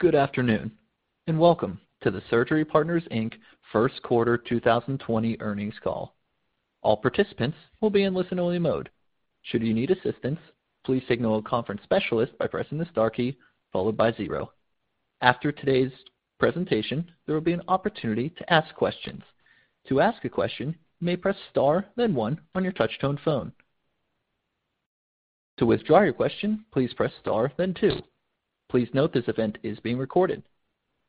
Good afternoon, and welcome to the Surgery Partners, Inc. first quarter 2020 earnings call. All participants will be in listen-only mode. Should you need assistance, please signal a conference specialist by pressing the star key followed by zero. After today's presentation, there will be an opportunity to ask questions. To ask a question, you may press star then one on your touch-tone phone. To withdraw your question, please press star then two. Please note this event is being recorded.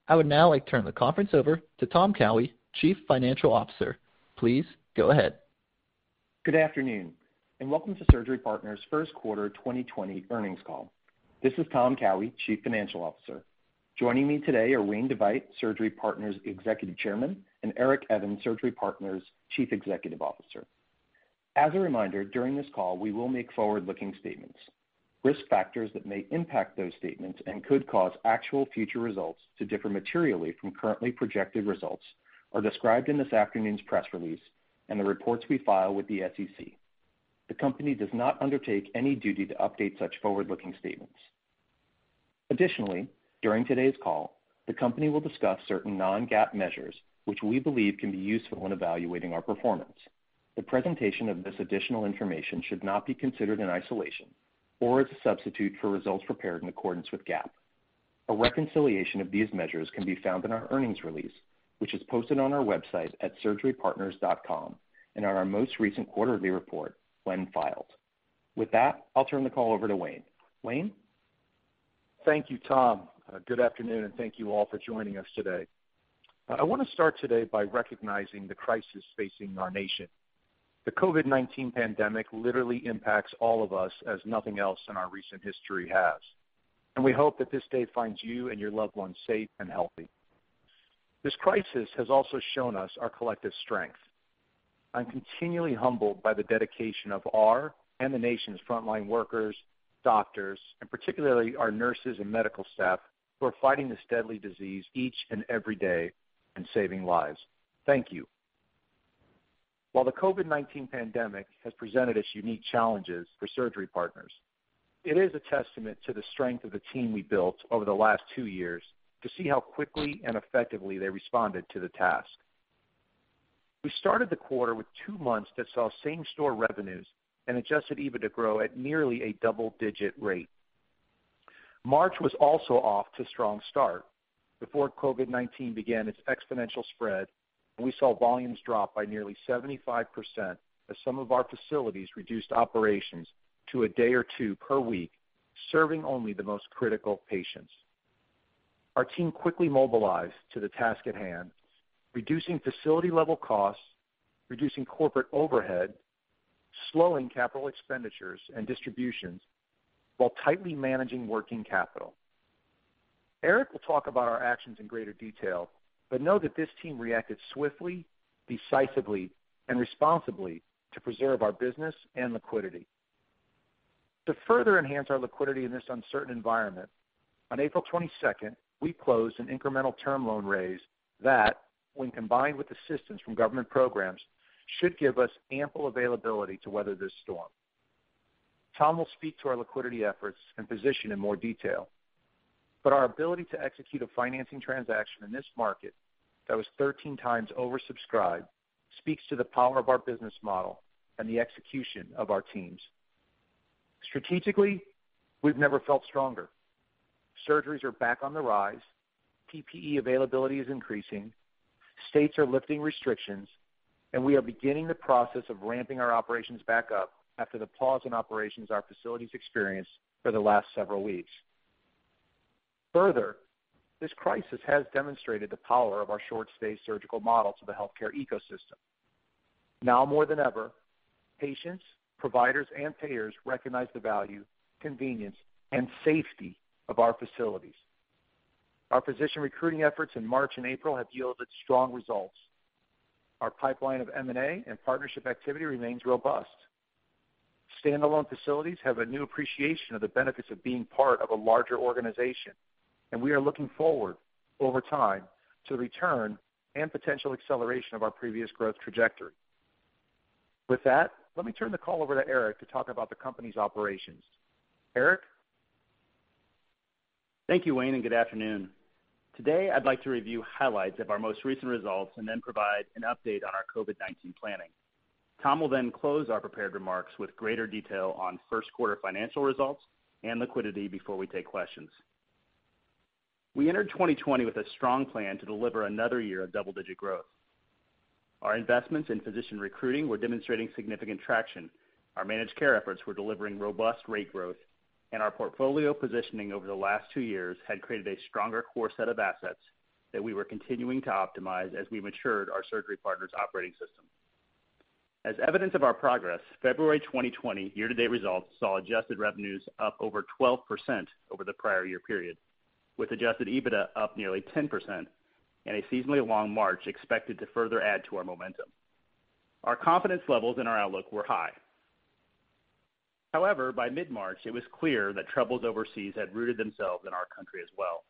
I would now like to turn the conference over to Tom Cowhey, Chief Financial Officer. Please go ahead. Good afternoon, and welcome to Surgery Partners' first quarter 2020 earnings call. This is Tom Cowhey, Chief Financial Officer. Joining me today are Wayne DeVeydt, Surgery Partners' Executive Chairman, and Eric Evans, Surgery Partners' Chief Executive Officer. As a reminder, during this call, we will make forward-looking statements. Risk factors that may impact those statements and could cause actual future results to differ materially from currently projected results are described in this afternoon's press release and the reports we file with the SEC. The company does not undertake any duty to update such forward-looking statements. Additionally, during today's call, the company will discuss certain non-GAAP measures which we believe can be useful when evaluating our performance. The presentation of this additional information should not be considered in isolation or as a substitute for results prepared in accordance with GAAP. A reconciliation of these measures can be found in our earnings release, which is posted on our website at surgerypartners.com and on our most recent quarterly report when filed. With that, I'll turn the call over to Wayne. Wayne? Thank you, Tom. Good afternoon, and thank you all for joining us today. I want to start today by recognizing the crisis facing our nation. The COVID-19 pandemic literally impacts all of us as nothing else in our recent history has, and we hope that this day finds you and your loved ones safe and healthy. This crisis has also shown us our collective strength. I'm continually humbled by the dedication of our and the nation's frontline workers, doctors, and particularly our nurses and medical staff who are fighting this deadly disease each and every day and saving lives. Thank you. While the COVID-19 pandemic has presented us unique challenges for Surgery Partners, it is a testament to the strength of the team we built over the last two years to see how quickly and effectively they responded to the task. We started the quarter with two months that saw same-store revenues and adjusted EBITDA grow at nearly a double-digit rate. March was also off to a strong start. Before COVID-19 began its exponential spread, we saw volumes drop by nearly 75% as some of our facilities reduced operations to a day or two per week, serving only the most critical patients. Our team quickly mobilized to the task at hand, reducing facility-level costs, reducing corporate overhead, slowing capital expenditures and distributions, while tightly managing working capital. Eric will talk about our actions in greater detail, but know that this team reacted swiftly, decisively, and responsibly to preserve our business and liquidity. To further enhance our liquidity in this uncertain environment, on April 22nd, we closed an incremental term loan raise that, when combined with assistance from government programs, should give us ample availability to weather this storm. Tom will speak to our liquidity efforts and position in more detail. Our ability to execute a financing transaction in this market that was 13 times oversubscribed speaks to the power of our business model and the execution of our teams. Strategically, we've never felt stronger. Surgeries are back on the rise, PPE availability is increasing, states are lifting restrictions, and we are beginning the process of ramping our operations back up after the pause in operations our facilities experienced for the last several weeks. Further, this crisis has demonstrated the power of our short-stay surgical model to the healthcare ecosystem. Now more than ever, patients, providers, and payers recognize the value, convenience, and safety of our facilities. Our physician recruiting efforts in March and April have yielded strong results. Our pipeline of M&A and partnership activity remains robust. Standalone facilities have a new appreciation of the benefits of being part of a larger organization. We are looking forward, over time, to the return and potential acceleration of our previous growth trajectory. With that, let me turn the call over to Eric to talk about the company's operations. Eric? Thank you, Wayne, and good afternoon. Today, I'd like to review highlights of our most recent results and then provide an update on our COVID-19 planning. Tom will then close our prepared remarks with greater detail on first quarter financial results and liquidity before we take questions. We entered 2020 with a strong plan to deliver another year of double-digit growth. Our investments in physician recruiting were demonstrating significant traction, our managed care efforts were delivering robust rate growth, and our portfolio positioning over the last two years had created a stronger core set of assets that we were continuing to optimize as we matured our Surgery Partners operating system. As evidence of our progress, February 2020 year-to-date results saw adjusted revenues up over 12% over the prior year period, with adjusted EBITDA up nearly 10% and a seasonally long March expected to further add to our momentum. Our confidence levels and our outlook were high. By mid-March, it was clear that troubles overseas had rooted themselves in our country as well.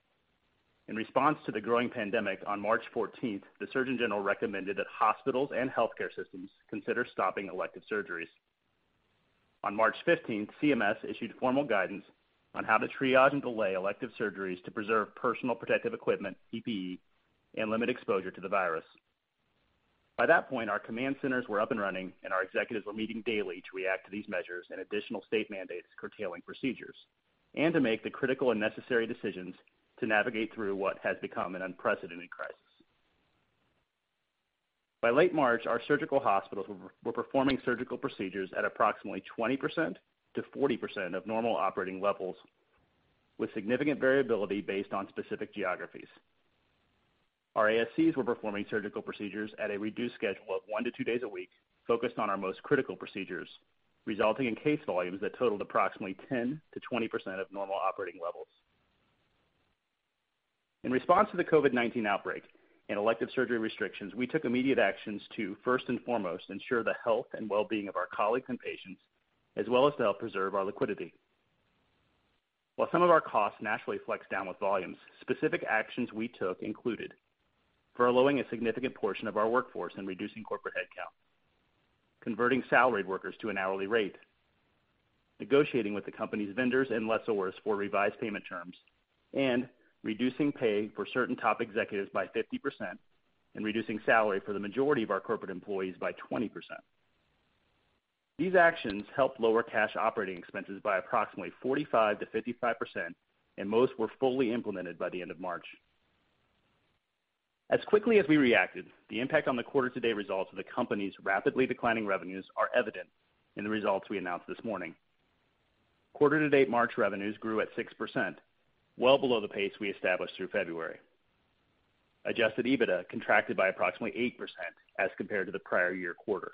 In response to the growing pandemic, on March 14th, the surgeon general recommended that hospitals and healthcare systems consider stopping elective surgeries. On March 15th, CMS issued formal guidance on how to triage and delay elective surgeries to preserve personal protective equipment, PPE, and limit exposure to the virus. By that point, our command centers were up and running, and our executives were meeting daily to react to these measures and additional state mandates curtailing procedures, and to make the critical and necessary decisions to navigate through what has become an unprecedented crisis. By late March, our surgical hospitals were performing surgical procedures at approximately 20%-40% of normal operating levels, with significant variability based on specific geographies. Our ASCs were performing surgical procedures at a reduced schedule of one to two days a week, focused on our most critical procedures, resulting in case volumes that totaled approximately 10%-20% of normal operating levels. In response to the COVID-19 outbreak and elective surgery restrictions, we took immediate actions to first and foremost ensure the health and well-being of our colleagues and patients, as well as to help preserve our liquidity. While some of our costs naturally flex down with volumes, specific actions we took included furloughing a significant portion of our workforce and reducing corporate headcount, converting salaried workers to an hourly rate, negotiating with the company's vendors and lessors for revised payment terms, and reducing pay for certain top executives by 50%, and reducing salary for the majority of our corporate employees by 20%. These actions helped lower cash operating expenses by approximately 45%-55%. Most were fully implemented by the end of March. As quickly as we reacted, the impact on the quarter-to-date results of the company's rapidly declining revenues are evident in the results we announced this morning. Quarter to date, March revenues grew at 6%, well below the pace we established through February. Adjusted EBITDA contracted by approximately 8% as compared to the prior year quarter.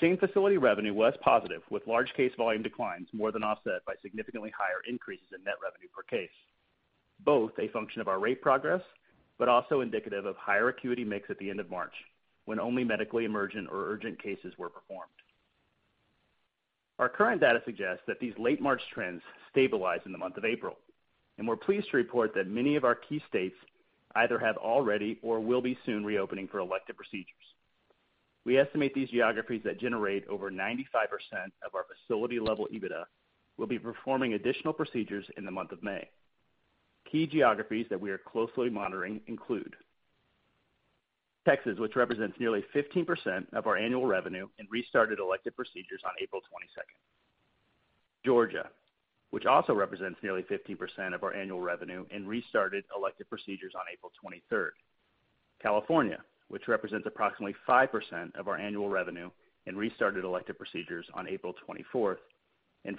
Same-facility revenue was positive, with large case volume declines more than offset by significantly higher increases in net revenue per case, both a function of our rate progress. Also indicative of higher acuity mix at the end of March, when only medically emergent or urgent cases were performed. Our current data suggests that these late March trends stabilized in the month of April, and we're pleased to report that many of our key states either have already or will be soon reopening for elective procedures. We estimate these geographies that generate over 95% of our facility-level EBITDA will be performing additional procedures in the month of May. Key geographies that we are closely monitoring include Texas, which represents nearly 15% of our annual revenue and restarted elective procedures on April 22nd. Georgia, which also represents nearly 15% of our annual revenue, restarted elective procedures on April 23rd. California, which represents approximately 5% of our annual revenue and restarted elective procedures on April 24th.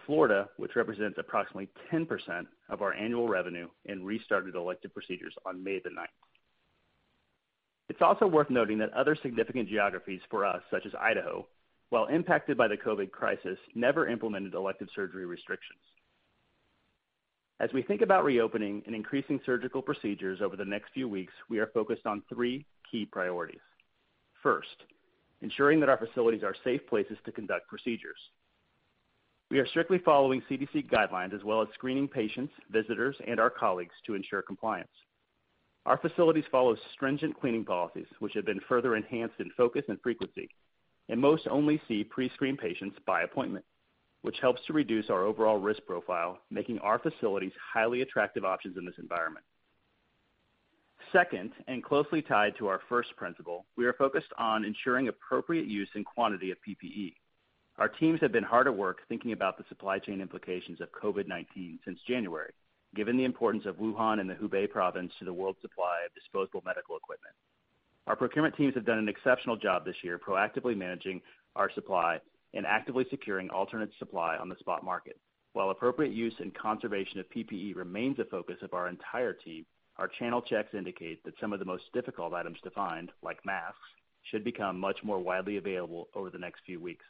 Florida, which represents approximately 10% of our annual revenue, restarted elective procedures on May 9th. It's also worth noting that other significant geographies for us, such as Idaho, while impacted by the COVID crisis, never implemented elective surgery restrictions. As we think about reopening and increasing surgical procedures over the next few weeks, we are focused on three key priorities. First, ensuring that our facilities are safe places to conduct procedures. We are strictly following CDC guidelines, as well as screening patients, visitors, and our colleagues to ensure compliance. Our facilities follow stringent cleaning policies, which have been further enhanced in focus and frequency, and most only see pre-screened patients by appointment, which helps to reduce our overall risk profile, making our facilities highly attractive options in this environment. Second, and closely tied to our first principle, we are focused on ensuring appropriate use and quantity of PPE. Our teams have been hard at work thinking about the supply chain implications of COVID-19 since January, given the importance of Wuhan and the Hubei province to the world supply of disposable medical equipment. Our procurement teams have done an exceptional job this year, proactively managing our supply and actively securing alternate supply on the spot market. While appropriate use and conservation of PPE remains a focus of our entire team, our channel checks indicate that some of the most difficult items to find, like masks, should become much more widely available over the next few weeks.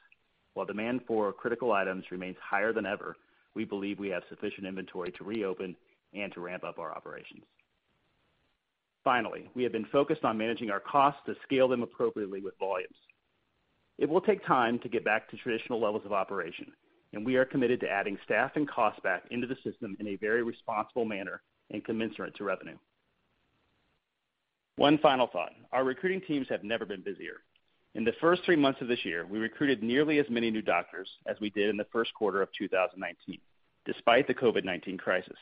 While demand for critical items remains higher than ever, we believe we have sufficient inventory to reopen and to ramp up our operations. Finally, we have been focused on managing our costs to scale them appropriately with volumes. It will take time to get back to traditional levels of operation, and we are committed to adding staff and costs back into the system in a very responsible manner and commensurate to revenue. One final thought. Our recruiting teams have never been busier. In the first three months of this year, we recruited nearly as many new doctors as we did in the first quarter of 2019, despite the COVID-19 crisis.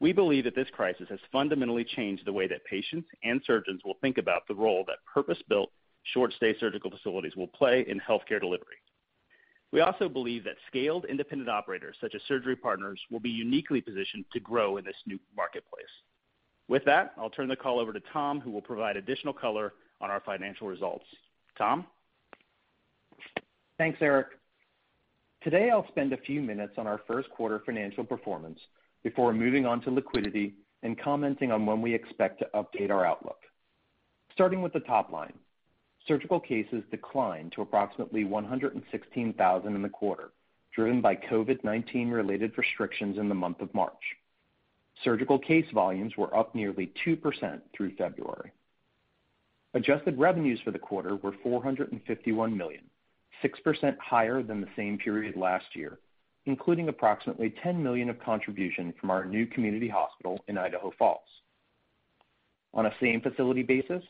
We believe that this crisis has fundamentally changed the way that patients and surgeons will think about the role that purpose-built, short-stay surgical facilities will play in healthcare delivery. We also believe that scaled independent operators such as Surgery Partners will be uniquely positioned to grow in this new marketplace. With that, I'll turn the call over to Tom, who will provide additional color on our financial results. Tom? Thanks, Eric. Today, I'll spend a few minutes on our first quarter financial performance before moving on to liquidity and commenting on when we expect to update our outlook. Starting with the top line, surgical cases declined to approximately 116,000 in the quarter, driven by COVID-19-related restrictions in the month of March. Surgical case volumes were up nearly 2% through February. Adjusted revenues for the quarter were $451 million, 6% higher than the same period last year, including approximately $10 million of contribution from our new community hospital in Idaho Falls. On a same-facility basis,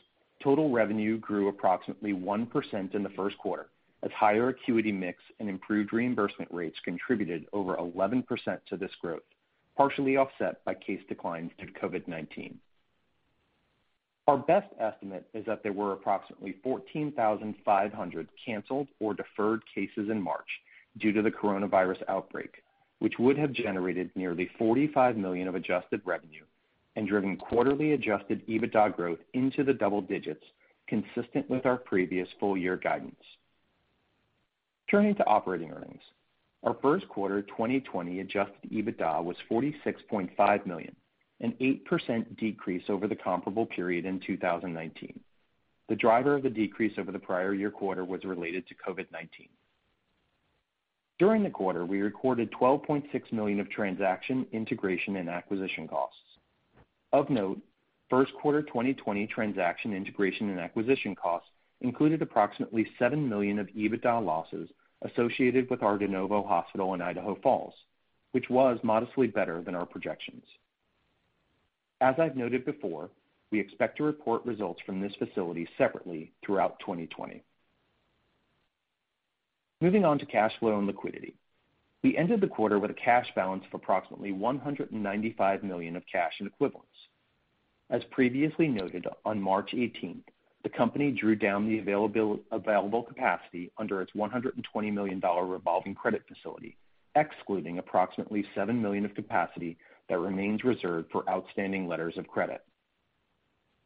total revenue grew approximately 1% in the first quarter, as higher acuity mix and improved reimbursement rates contributed over 11% to this growth, partially offset by case declines due to COVID-19. Our best estimate is that there were approximately 14,500 canceled or deferred cases in March due to the coronavirus outbreak, which would have generated nearly $45 million of adjusted revenue and driven quarterly adjusted EBITDA growth into the double digits, consistent with our previous full-year guidance. Turning to operating earnings. Our first quarter 2020 adjusted EBITDA was $46.5 million, an 8% decrease over the comparable period in 2019. The driver of the decrease over the prior year quarter was related to COVID-19. During the quarter, we recorded $12.6 million of transaction, integration, and acquisition costs. Of note, first quarter 2020 transaction, integration, and acquisition costs included approximately $7 million of EBITDA losses associated with our de novo hospital in Idaho Falls, which was modestly better than our projections. As I've noted before, we expect to report results from this facility separately throughout 2020. Moving on to cash flow and liquidity. We ended the quarter with a cash balance of approximately $195 million of cash and equivalents. As previously noted, on March 18th, the company drew down the available capacity under its $120 million revolving credit facility, excluding approximately $7 million of capacity that remains reserved for outstanding letters of credit.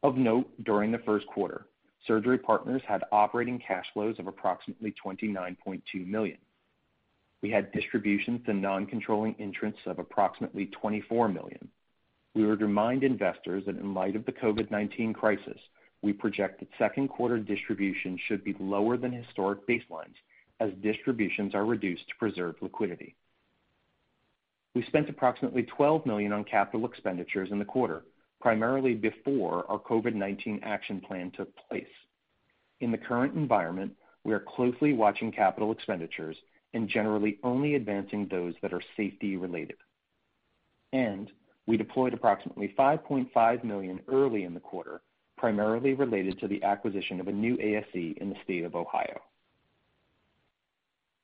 Of note, during the first quarter, Surgery Partners had operating cash flows of approximately $29.2 million. We had distributions to non-controlling interests of approximately $24 million. We would remind investors that in light of the COVID-19 crisis, we project that second quarter distribution should be lower than historic baselines as distributions are reduced to preserve liquidity. We spent approximately $12 million on capital expenditures in the quarter, primarily before our COVID-19 action plan took place. In the current environment, we are closely watching capital expenditures and generally only advancing those that are safety related. We deployed approximately $5.5 million early in the quarter, primarily related to the acquisition of a new ASC in the state of Ohio.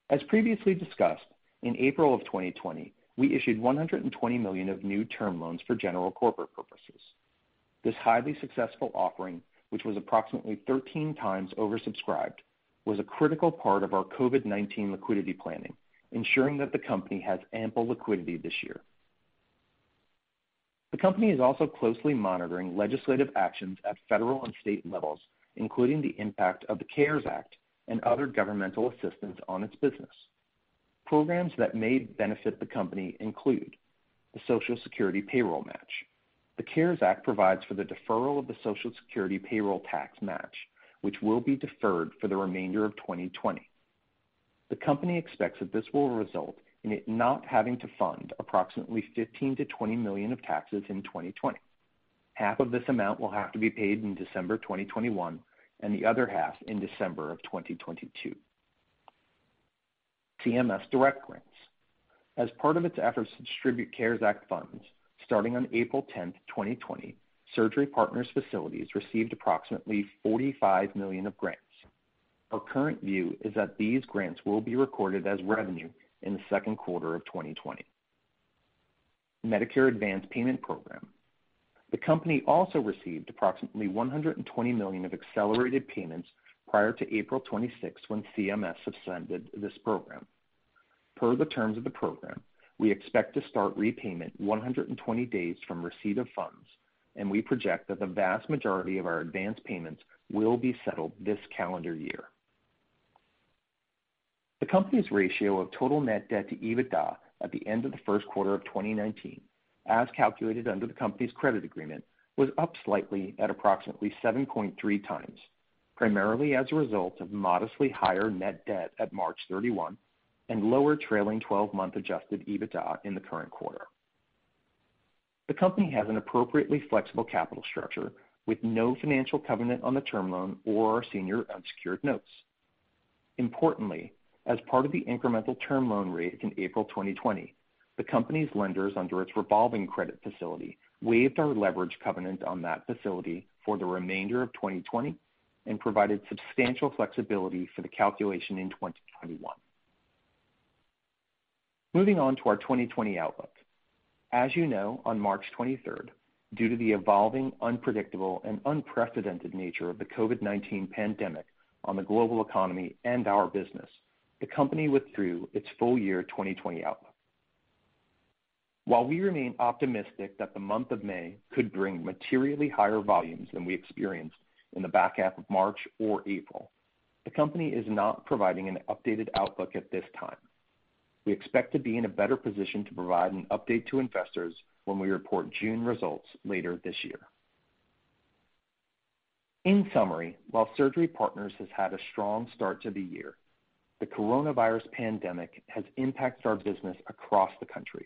As previously discussed, in April of 2020, we issued $120 million of new term loans for general corporate purposes. This highly successful offering, which was approximately 13 times oversubscribed, was a critical part of our COVID-19 liquidity planning, ensuring that the company has ample liquidity this year. The company is also closely monitoring legislative actions at federal and state levels, including the impact of the CARES Act and other governmental assistance on its business. Programs that may benefit the company include the Social Security payroll match. The CARES Act provides for the deferral of the Social Security payroll tax match, which will be deferred for the remainder of 2020. The company expects that this will result in it not having to fund approximately $15 million-$20 million of taxes in 2020. Half of this amount will have to be paid in December 2021, and the other half in December of 2022. CMS direct grants. As part of its efforts to distribute CARES Act funds, starting on April 10, 2020, Surgery Partners facilities received approximately $45 million of grants. Our current view is that these grants will be recorded as revenue in the second quarter of 2020. Medicare Advance Payment Program. The company also received approximately $120 million of accelerated payments prior to April 26, when CMS suspended this program. Per the terms of the program, we expect to start repayment 120 days from receipt of funds, and we project that the vast majority of our advanced payments will be settled this calendar year. The company's ratio of total net debt to EBITDA at the end of the first quarter of 2019, as calculated under the company's credit agreement, was up slightly at approximately 7.3x, primarily as a result of modestly higher net debt at March 31 and lower trailing 12-month adjusted EBITDA in the current quarter. The company has an appropriately flexible capital structure with no financial covenant on the term loan or our senior unsecured notes. Importantly, as part of the incremental term loan raise in April 2020, the company's lenders under its revolving credit facility waived our leverage covenant on that facility for the remainder of 2020 and provided substantial flexibility for the calculation in 2021. Moving on to our 2020 outlook. As you know, on March 23rd, due to the evolving, unpredictable, and unprecedented nature of the COVID-19 pandemic on the global economy and our business, the company withdrew its full-year 2020 outlook. While we remain optimistic that the month of May could bring materially higher volumes than we experienced in the back half of March or April, the company is not providing an updated outlook at this time. We expect to be in a better position to provide an update to investors when we report June results later this year. In summary, while Surgery Partners has had a strong start to the year, the coronavirus pandemic has impacted our business across the country.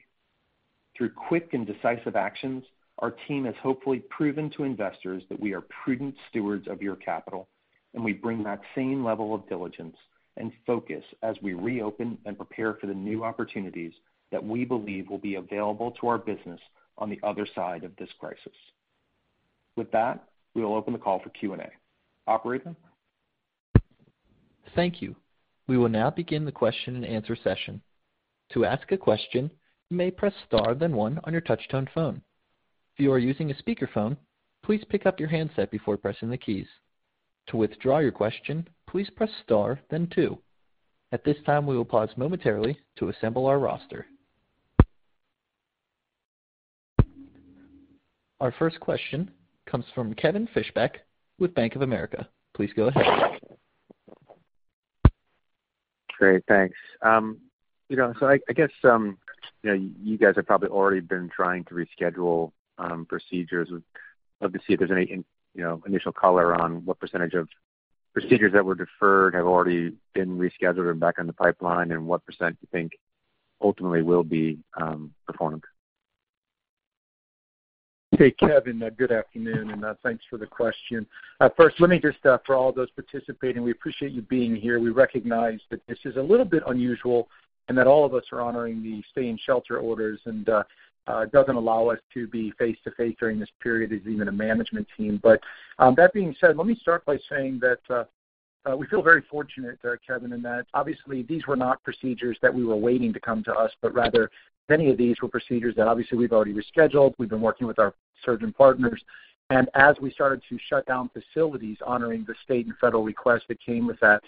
Through quick and decisive actions, our team has hopefully proven to investors that we are prudent stewards of your capital, and we bring that same level of diligence and focus as we reopen and prepare for the new opportunities that we believe will be available to our business on the other side of this crisis. With that, we will open the call for Q&A. Operator? Thank you. We will now begin the question and answer session. To ask a question, you may press star, then one on your touch-tone phone. If you are using a speakerphone, please pick up your handset before pressing the keys. To withdraw your question, please press star, then two. At this time, we will pause momentarily to assemble our roster. Our first question comes from Kevin Fischbeck with Bank of America. Please go ahead. Great. Thanks. I guess, you guys have probably already been trying to reschedule procedures. I'd love to see if there's any initial color on what % of procedures that were deferred have already been rescheduled and back in the pipeline, and what % you think ultimately will be performed. Hey, Kevin. Good afternoon. Thanks for the question. First, let me just, for all those participating, we appreciate you being here. We recognize that this is a little bit unusual and that all of us are honoring the stay and shelter orders, and it doesn't allow us to be face-to-face during this period, even as a management team. That being said, let me start by saying that we feel very fortunate, Kevin, in that obviously these were not procedures that we were waiting to come to us, but rather many of these were procedures that obviously we've already rescheduled. We've been working with our surgeon partners. As we started to shut down facilities honoring the state and federal requests that came with that,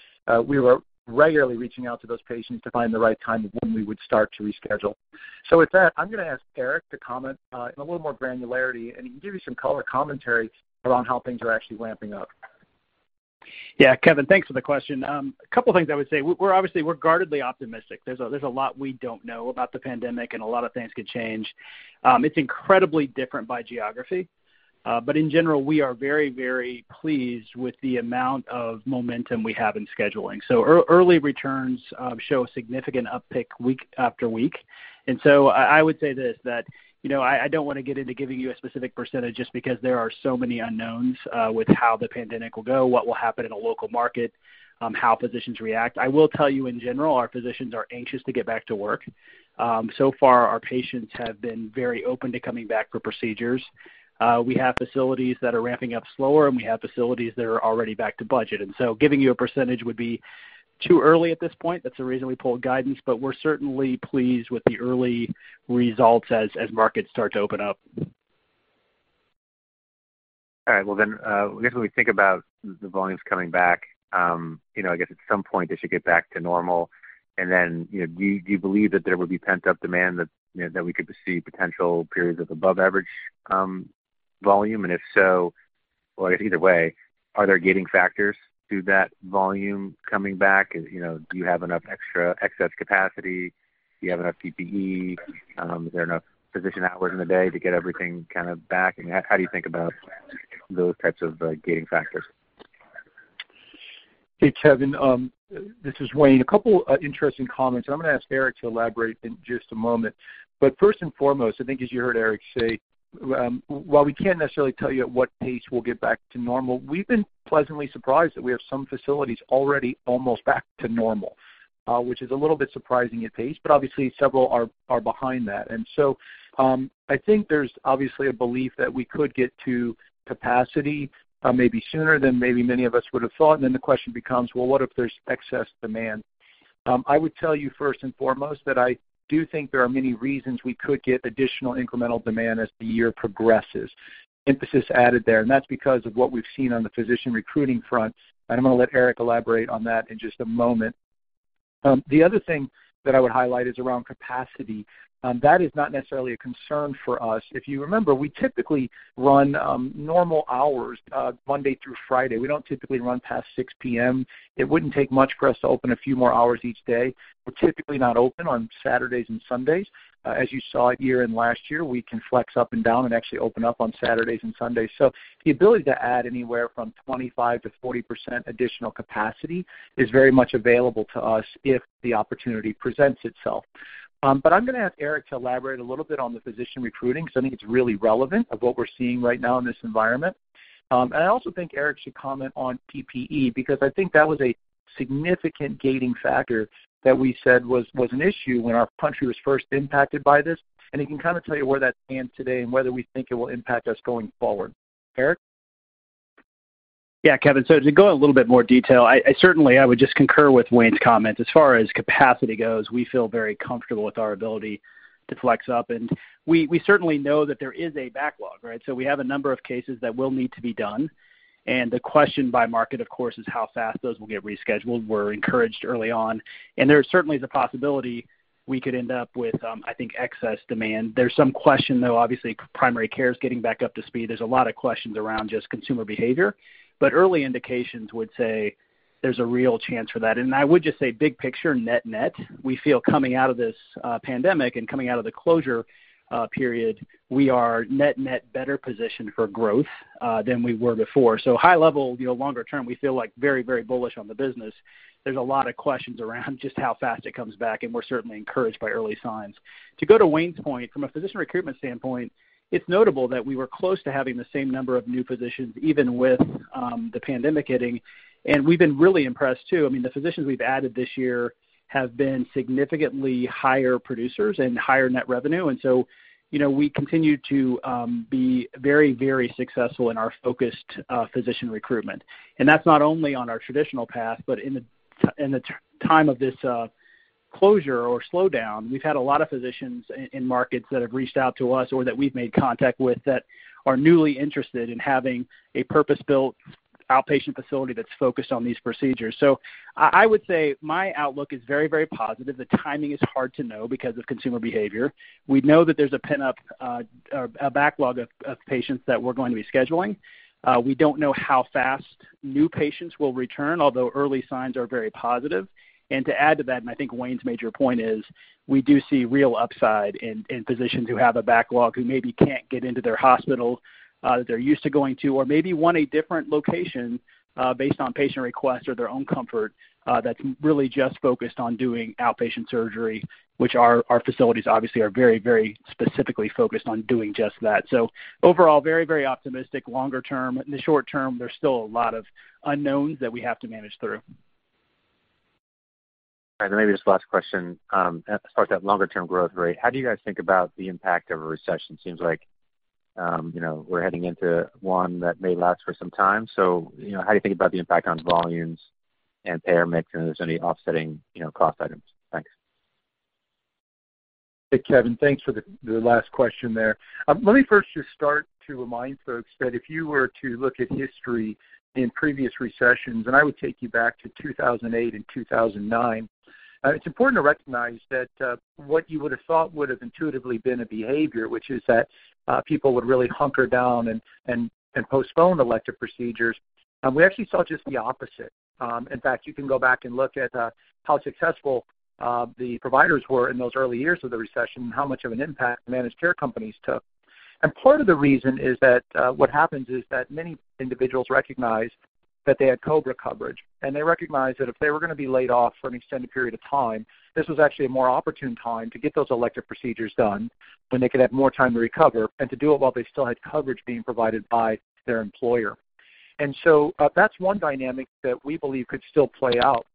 we were regularly reaching out to those patients to find the right time of when we would start to reschedule. With that, I'm going to ask Eric to comment in a little more granularity, and he can give you some color commentary around how things are actually ramping up. Kevin, thanks for the question. A couple things I would say. We're obviously guardedly optimistic. There's a lot we don't know about the pandemic, and a lot of things could change. It's incredibly different by geography. In general, we are very, very pleased with the amount of momentum we have in scheduling. Early returns show a significant uptick week after week. I would say this: I don't want to get into giving you a specific percentage just because there are so many unknowns with how the pandemic will go, what will happen in a local market, how physicians react. I will tell you in general, our physicians are anxious to get back to work. So far, our patients have been very open to coming back for procedures. We have facilities that are ramping up slower, and we have facilities that are already back to budget. Giving you a percentage would be too early at this point. That's the reason we pulled guidance. We're certainly pleased with the early results as markets start to open up. All right. I guess when we think about the volumes coming back, I guess at some point they should get back to normal. Do you believe that there would be pent-up demand that we could see potential periods of above-average volume? Well, I guess either way, are there gating factors to that volume coming back? Do you have enough extra excess capacity? Do you have enough PPE? Is there enough physician hours in the day to get everything back? How do you think about those types of gating factors? Hey, Kevin. This is Wayne. A couple interesting comments. I'm going to ask Eric to elaborate in just a moment. First and foremost, I think as you heard Eric say, while we can't necessarily tell you at what pace we'll get back to normal, we've been pleasantly surprised that we have some facilities already almost back to normal. Which is a little bit surprising at pace, but obviously several are behind that. I think there's obviously a belief that we could get to capacity, maybe sooner than maybe many of us would have thought. The question becomes, well, what if there's excess demand? I would tell you first and foremost that I do think there are many reasons we could get additional incremental demand as the year progresses. Emphasis added there. That's because of what we've seen on the physician recruiting front. I'm going to let Eric elaborate on that in just a moment. The other thing that I would highlight is around capacity. That is not necessarily a concern for us. If you remember, we typically run normal hours, Monday through Friday. We don't typically run past 6:00 P.M. It wouldn't take much for us to open a few more hours each day. We're typically not open on Saturdays and Sundays. As you saw year-end last year, we can flex up and down and actually open up on Saturdays and Sundays. The ability to add anywhere from 25% to 40% additional capacity is very much available to us if the opportunity presents itself. I'm going to ask Eric to elaborate a little bit on the physician recruiting, because I think it's really relevant of what we're seeing right now in this environment. I also think Eric should comment on PPE, because I think that was a significant gating factor that we said was an issue when our country was first impacted by this. He can tell you where that stands today and whether we think it will impact us going forward. Eric? Yeah, Kevin. To go in a little bit more detail, certainly, I would just concur with Wayne's comments. As far as capacity goes, we feel very comfortable with our ability to flex up. We certainly know that there is a backlog, right? We have a number of cases that will need to be done. The question by market, of course, is how fast those will get rescheduled. We're encouraged early on. There certainly is a possibility we could end up with, I think, excess demand. There's some question, though, obviously, primary care is getting back up to speed. There's a lot of questions around just consumer behavior. Early indications would say there's a real chance for that. I would just say big picture, net-net, we feel coming out of this pandemic and coming out of the closure period, we are net-net better positioned for growth than we were before. High level, longer term, we feel very, very bullish on the business. There's a lot of questions around just how fast it comes back, and we're certainly encouraged by early signs. To go to Wayne's point, from a physician recruitment standpoint, it's notable that we were close to having the same number of new physicians, even with the pandemic hitting. We've been really impressed, too. I mean, the physicians we've added this year have been significantly higher producers and higher net revenue. We continue to be very successful in our focused physician recruitment. That's not only on our traditional path, but in the time of this closure or slowdown, we've had a lot of physicians in markets that have reached out to us or that we've made contact with that are newly interested in having a purpose-built outpatient facility that's focused on these procedures. I would say my outlook is very positive. The timing is hard to know because of consumer behavior. We know that there's a backlog of patients that we're going to be scheduling. We don't know how fast new patients will return, although early signs are very positive. To add to that, I think Wayne's major point is, we do see real upside in physicians who have a backlog who maybe can't get into their hospital that they're used to going to or maybe want a different location based on patient requests or their own comfort that's really just focused on doing outpatient surgery, which our facilities obviously are very specifically focused on doing just that. Overall, very optimistic longer term. In the short term, there's still a lot of unknowns that we have to manage through. Maybe just the last question. As far as that longer-term growth rate, how do you guys think about the impact of a recession? Seems like we're heading into one that may last for some time. How do you think about the impact on volumes and payer mix, and if there's any offsetting cost items? Thanks. Hey, Kevin. Thanks for the last question there. Let me first just start to remind folks that if you were to look at history in previous recessions, and I would take you back to 2008 and 2009, it's important to recognize that what you would've thought would've intuitively been a behavior, which is that people would really hunker down and postpone elective procedures, we actually saw just the opposite. In fact, you can go back and look at how successful the providers were in those early years of the recession and how much of an impact managed care companies took. Part of the reason is that what happens is that many individuals recognized that they had COBRA coverage. They recognized that if they were going to be laid off for an extended period of time, this was actually a more opportune time to get those elective procedures done when they could have more time to recover, and to do it while they still had coverage being provided by their employer. That's one dynamic that we believe could still play out.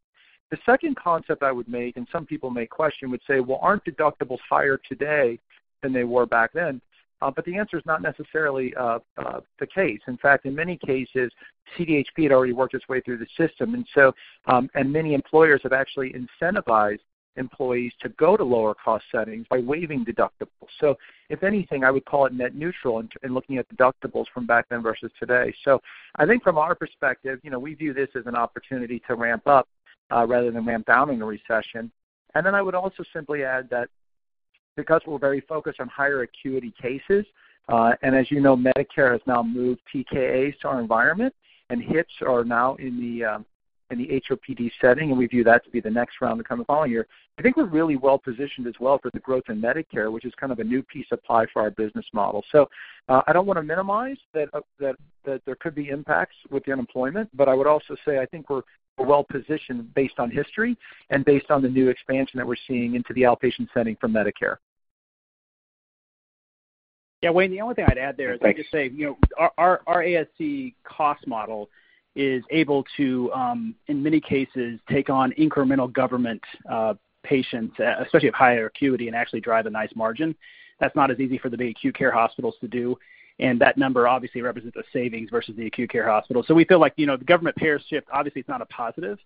The second concept I would make, and some people may question, would say, "Well, aren't deductibles higher today than they were back then?" The answer is not necessarily the case. In fact, in many cases, CDHP had already worked its way through the system. Many employers have actually incentivized employees to go to lower cost settings by waiving deductibles. If anything, I would call it net neutral in looking at deductibles from back then versus today. I think from our perspective, we view this as an opportunity to ramp up rather than ramp down in a recession. I would also simply add that because we're very focused on higher acuity cases, and as you know, Medicare has now moved TKAs to our environment, and hips are now in the HOPD setting, and we view that to be the next round to come the following year. I think we're really well-positioned as well for the growth in Medicare, which is kind of a new piece of pie for our business model. I don't want to minimize that there could be impacts with the unemployment, but I would also say I think we're well-positioned based on history and based on the new expansion that we're seeing into the outpatient setting for Medicare. Yeah, Wayne, the only thing I'd add there. Yeah, thanks. is just say, our ASC cost model is able to, in many cases, take on incremental government patients, especially of higher acuity, and actually drive a nice margin. That's not as easy for the acute care hospitals to do, and that number obviously represents a savings versus the acute care hospital. We feel like, the government payer shift, obviously it's not a positive,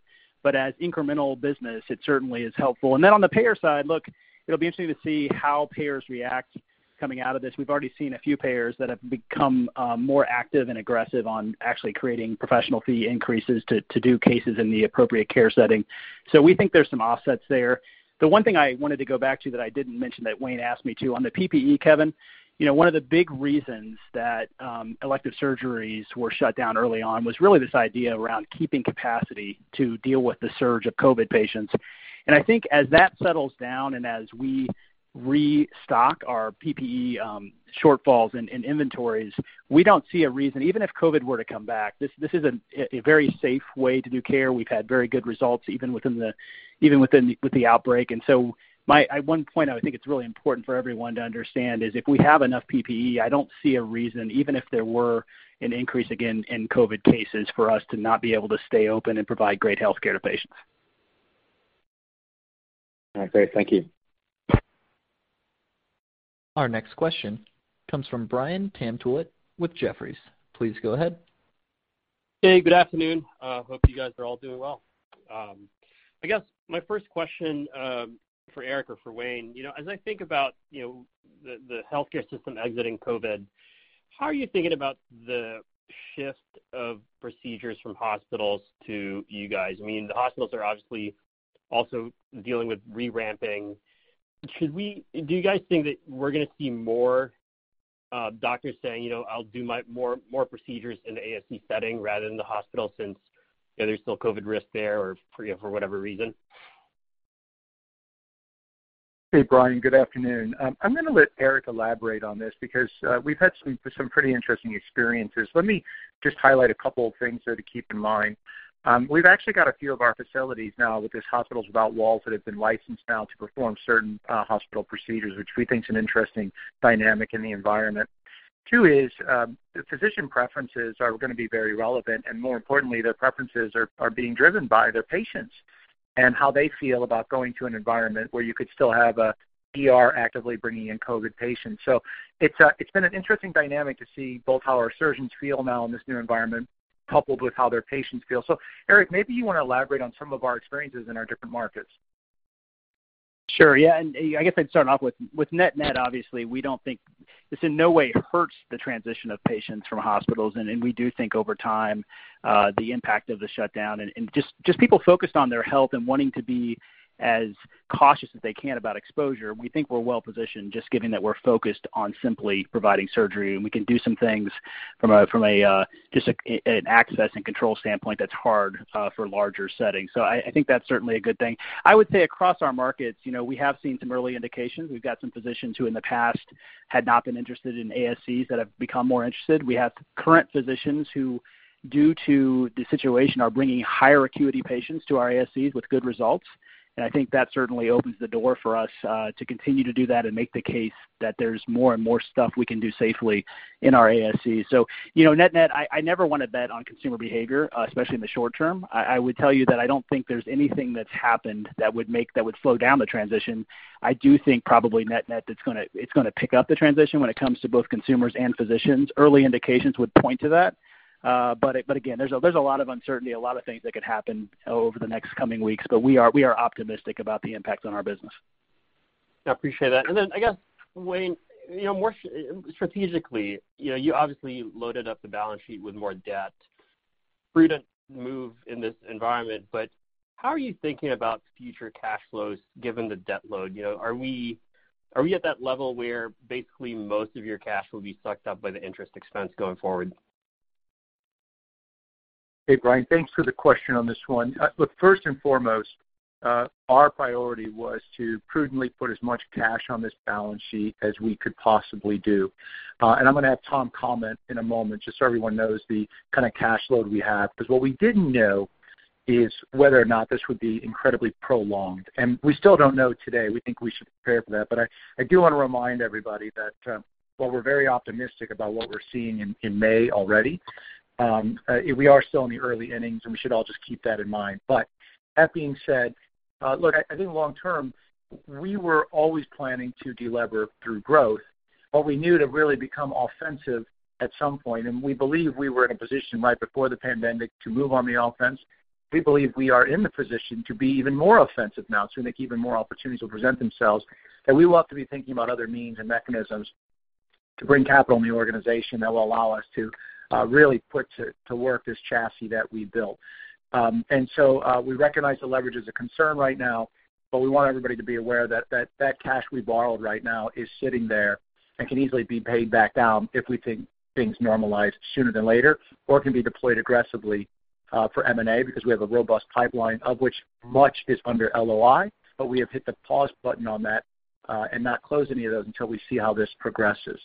but as incremental business, it certainly is helpful. On the payer side, look, it'll be interesting to see how payers react coming out of this. We've already seen a few payers that have become more active and aggressive on actually creating professional fee increases to do cases in the appropriate care setting. We think there's some offsets there. The one thing I wanted to go back to that I didn't mention that Wayne asked me to, on the PPE, Kevin, one of the big reasons that elective surgeries were shut down early on was really this idea around keeping capacity to deal with the surge of COVID patients. I think as that settles down and as we restock our PPE shortfalls and inventories, we don't see a reason, even if COVID were to come back, this is a very safe way to do care. We've had very good results even with the outbreak. My one point I think it's really important for everyone to understand is if we have enough PPE, I don't see a reason, even if there were an increase again in COVID cases, for us to not be able to stay open and provide great healthcare to patients. All right, great. Thank you. Our next question comes from Brian Tanquilut with Jefferies. Please go ahead. Hey, good afternoon. Hope you guys are all doing well. I guess my first question for Eric or for Wayne. As I think about the healthcare system exiting COVID-19, how are you thinking about the shift of procedures from hospitals to you guys? The hospitals are obviously also dealing with re-ramping. Do you guys think that we're going to see more doctors saying, "I'll do more procedures in the ASC setting rather than the hospital," since there's still COVID-19 risk there or for whatever reason? Hey, Brian. Good afternoon. I'm going to let Eric elaborate on this because we've had some pretty interesting experiences. Let me just highlight a couple of things there to keep in mind. We've actually got a few of our facilities now with these Hospitals Without Walls that have been licensed now to perform certain hospital procedures, which we think is an interesting dynamic in the environment. Two is, the physician's preferences are going to be very relevant, and more importantly, their preferences are being driven by their patients and how they feel about going to an environment where you could still have a ER actively bringing in COVID patients. It's been an interesting dynamic to see both how our surgeons feel now in this new environment, coupled with how their patients feel. Eric, maybe you want to elaborate on some of our experiences in our different markets. Sure. Yeah, I guess I'd start off with net-net, obviously, we don't think this in no way hurts the transition of patients from hospitals. We do think over time, the impact of the shutdown and just people focused on their health and wanting to be as cautious as they can about exposure, we think we're well-positioned, just given that we're focused on simply providing surgery. We can do some things from just an access and control standpoint that's hard for larger settings. I think that's certainly a good thing. I would say across our markets, we have seen some early indications. We've got some physicians who in the past, had not been interested in ASCs that have become more interested. We have current physicians who, due to the situation, are bringing higher acuity patients to our ASCs with good results. I think that certainly opens the door for us to continue to do that and make the case that there's more and more stuff we can do safely in our ASC. Net-net, I never want to bet on consumer behavior, especially in the short term. I would tell you that I don't think there's anything that's happened that would slow down the transition. I do think probably net-net, it's going to pick up the transition when it comes to both consumers and physicians. Early indications would point to that. Again, there's a lot of uncertainty, a lot of things that could happen over the next coming weeks, but we are optimistic about the impact on our business. I appreciate that. I guess, Wayne, more strategically, you obviously loaded up the balance sheet with more debt for you to move in this environment, but how are you thinking about future cash flows given the debt load? Are we at that level where basically most of your cash will be sucked up by the interest expense going forward? Hey, Brian Tanquilut, thanks for the question on this one. Look, first and foremost, our priority was to prudently put as much cash on this balance sheet as we could possibly do. I'm going to have Tom Cowhey comment in a moment just so everyone knows the kind of cash load we have, because what we didn't know is whether or not this would be incredibly prolonged. We still don't know today. We think we should prepare for that. I do want to remind everybody that while we're very optimistic about what we're seeing in May already, we are still in the early innings, and we should all just keep that in mind. That being said, look, I think long term, we were always planning to deliver through growth, but we knew to really become offensive at some point, and we believe we were in a position right before the pandemic to move on the offense. We believe we are in the position to be even more offensive now, assuming that even more opportunities will present themselves, that we will have to be thinking about other means and mechanisms to bring capital in the organization that will allow us to really put to work this chassis that we built. We recognize the leverage is a concern right now, but we want everybody to be aware that that cash we borrowed right now is sitting there and can easily be paid back down if we think things normalize sooner than later, or it can be deployed aggressively for M&A because we have a robust pipeline, of which much is under LOI. We have hit the pause button on that and not close any of those until we see how this progresses.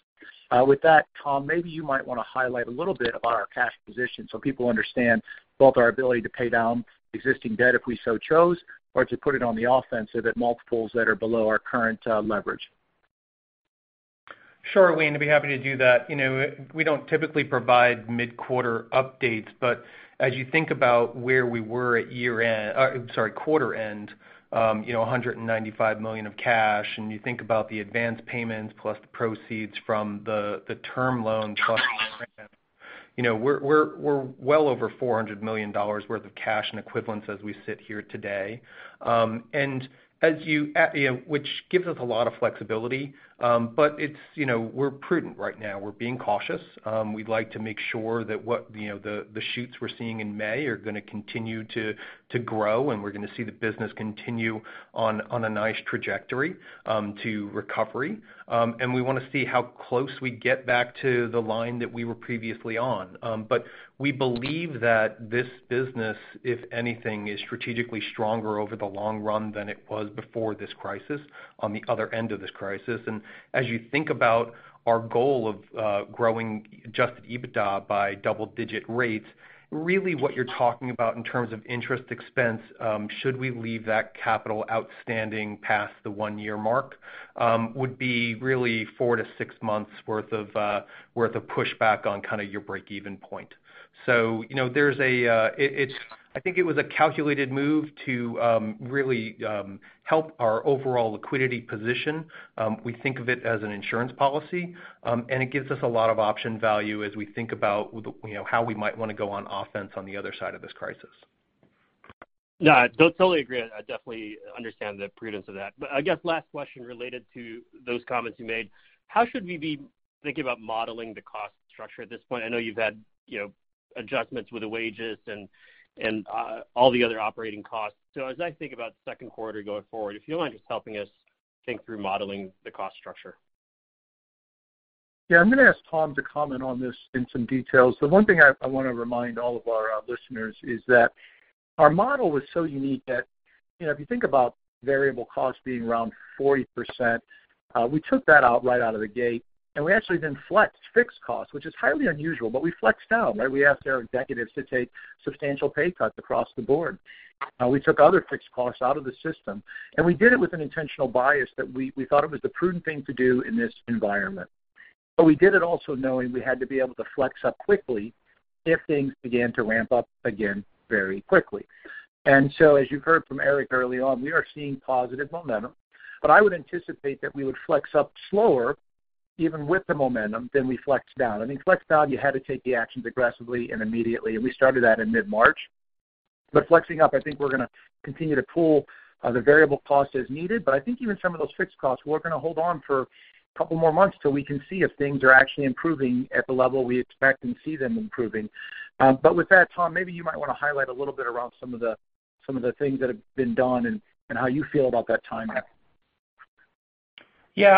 Tom, maybe you might want to highlight a little bit about our cash position so people understand both our ability to pay down existing debt if we so chose, or to put it on the offense so that multiples that are below our current leverage. Sure, Wayne, I'd be happy to do that. We don't typically provide mid-quarter updates. As you think about where we were at quarter end, $195 million of cash, and you think about the advanced payments plus the proceeds from the term loan plus we're well over $400 million worth of cash and equivalents as we sit here today, which gives us a lot of flexibility. We're prudent right now. We're being cautious. We'd like to make sure that the shoots we're seeing in May are going to continue to grow, and we're going to see the business continue on a nice trajectory to recovery. We want to see how close we get back to the line that we were previously on. We believe that this business, if anything, is strategically stronger over the long run than it was before this crisis, on the other end of this crisis. As you think about our goal of growing adjusted EBITDA by double-digit rates, really, what you're talking about in terms of interest expense, should we leave that capital outstanding past the one-year mark, would be really four to six months' worth of pushback on your break-even point. I think it was a calculated move to really help our overall liquidity position. We think of it as an insurance policy, and it gives us a lot of option value as we think about how we might want to go on offense on the other side of this crisis. No, I totally agree. I definitely understand the prudence of that. I guess last question related to those comments you made, how should we be thinking about modeling the cost structure at this point? I know you've had adjustments with the wages and all the other operating costs. As I think about second quarter going forward, if you wouldn't mind just helping us think through modeling the cost structure. Yeah, I'm going to ask Tom to comment on this in some details. The one thing I want to remind all of our listeners is that our model was so unique that if you think about variable costs being around 40%, we took that out right out of the gate, and we actually then flexed fixed costs, which is highly unusual, but we flexed down, right? We asked our executives to take substantial pay cuts across the board. We took other fixed costs out of the system, and we did it with an intentional bias that we thought it was the prudent thing to do in this environment. We did it also knowing we had to be able to flex up quickly if things began to ramp up again very quickly. As you heard from Eric early on, we are seeing positive momentum, but I would anticipate that we would flex up slower even with the momentum, then we flexed down. I mean, flexed down, you had to take the actions aggressively and immediately, and we started that in mid-March. Flexing up, I think we're going to continue to pull the variable costs as needed, but I think even some of those fixed costs, we're going to hold on for a couple more months till we can see if things are actually improving at the level we expect and see them improving. With that, Tom, maybe you might want to highlight a little bit around some of the things that have been done and how you feel about that timing. Yeah.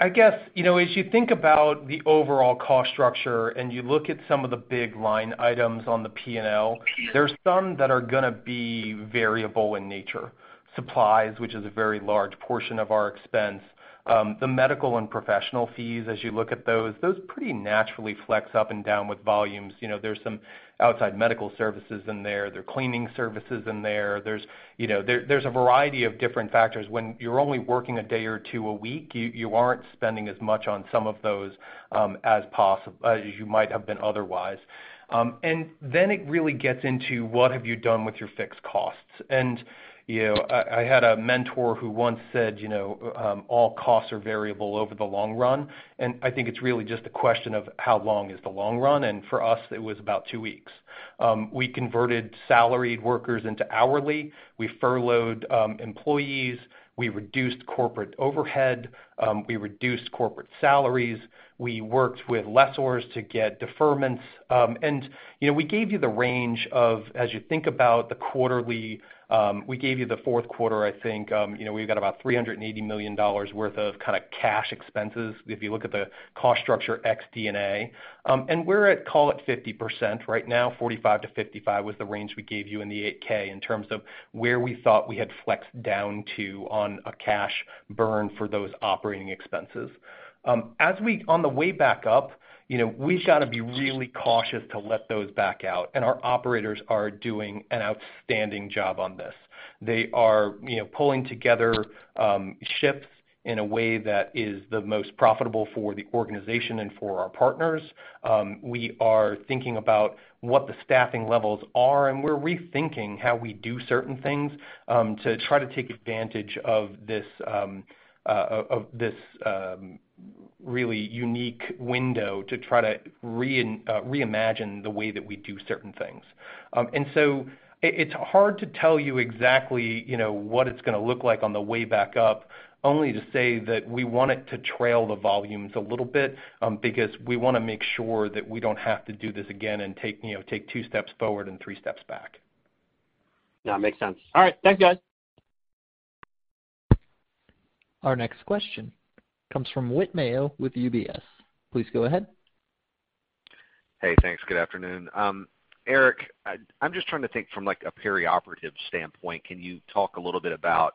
I guess, as you think about the overall cost structure and you look at some of the big line items on the P&L, there's some that are going to be variable in nature. Supplies, which is a very large portion of our expense. The medical and professional fees, as you look at those pretty naturally flex up and down with volumes. There's some outside medical services in there. There are cleaning services in there. There's a variety of different factors. When you're only working a day or two a week, you aren't spending as much on some of those as you might have been otherwise. It really gets into what have you done with your fixed costs. I had a mentor who once said, "All costs are variable over the long run." I think it's really just a question of how long is the long run, and for us, it was about two weeks. We converted salaried workers into hourly. We furloughed employees. We reduced corporate overhead. We reduced corporate salaries. We worked with lessors to get deferments. We gave you the range of, as you think about the quarterly, we gave you the fourth quarter, I think. We've got about $380 million worth of kind of cash expenses, if you look at the cost structure ex D&A. We're at, call it 50% right now, 45%-55% was the range we gave you in the 8-K, in terms of where we thought we had flexed down to on a cash burn for those operating expenses. On the way back up, we've got to be really cautious to let those back out, and our operators are doing an outstanding job on this. They are pulling together shifts in a way that is the most profitable for the organization and for our partners. We are thinking about what the staffing levels are, and we're rethinking how we do certain things, to try to take advantage of this really unique window to try to reimagine the way that we do certain things. It's hard to tell you exactly what it's going to look like on the way back up, only to say that we want it to trail the volumes a little bit, because we want to make sure that we don't have to do this again and take two steps forward and three steps back. No, makes sense. All right, thanks guys. Our next question comes from Whit Mayo with UBS. Please go ahead. Hey, thanks. Good afternoon. Eric, I'm just trying to think from, like, a perioperative standpoint. Can you talk a little bit about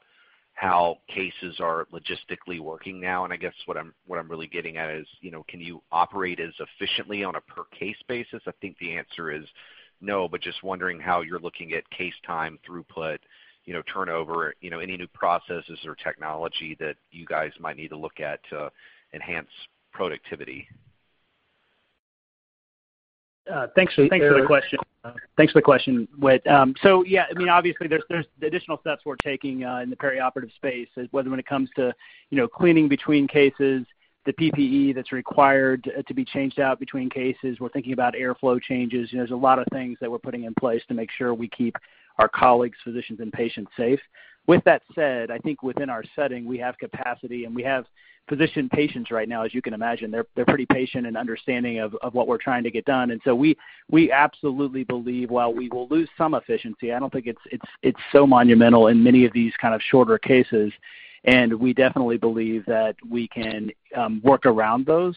how cases are logistically working now? I guess what I'm really getting at is, can you operate as efficiently on a per-case basis? I think the answer is no, but just wondering how you're looking at case time throughput, turnover, any new processes or technology that you guys might need to look at to enhance productivity. Thanks for the question, Whit. Yeah, obviously, there's the additional steps we're taking in the perioperative space, whether when it comes to cleaning between cases, the PPE that's required to be changed out between cases. We're thinking about airflow changes. There's a lot of things that we're putting in place to make sure we keep our colleagues, physicians, and patients safe. With that said, I think within our setting, we have capacity, and we have physician patients right now, as you can imagine. They're pretty patient and understanding of what we're trying to get done. We absolutely believe while we will lose some efficiency, I don't think it's so monumental in many of these kind of shorter cases. We definitely believe that we can work around those.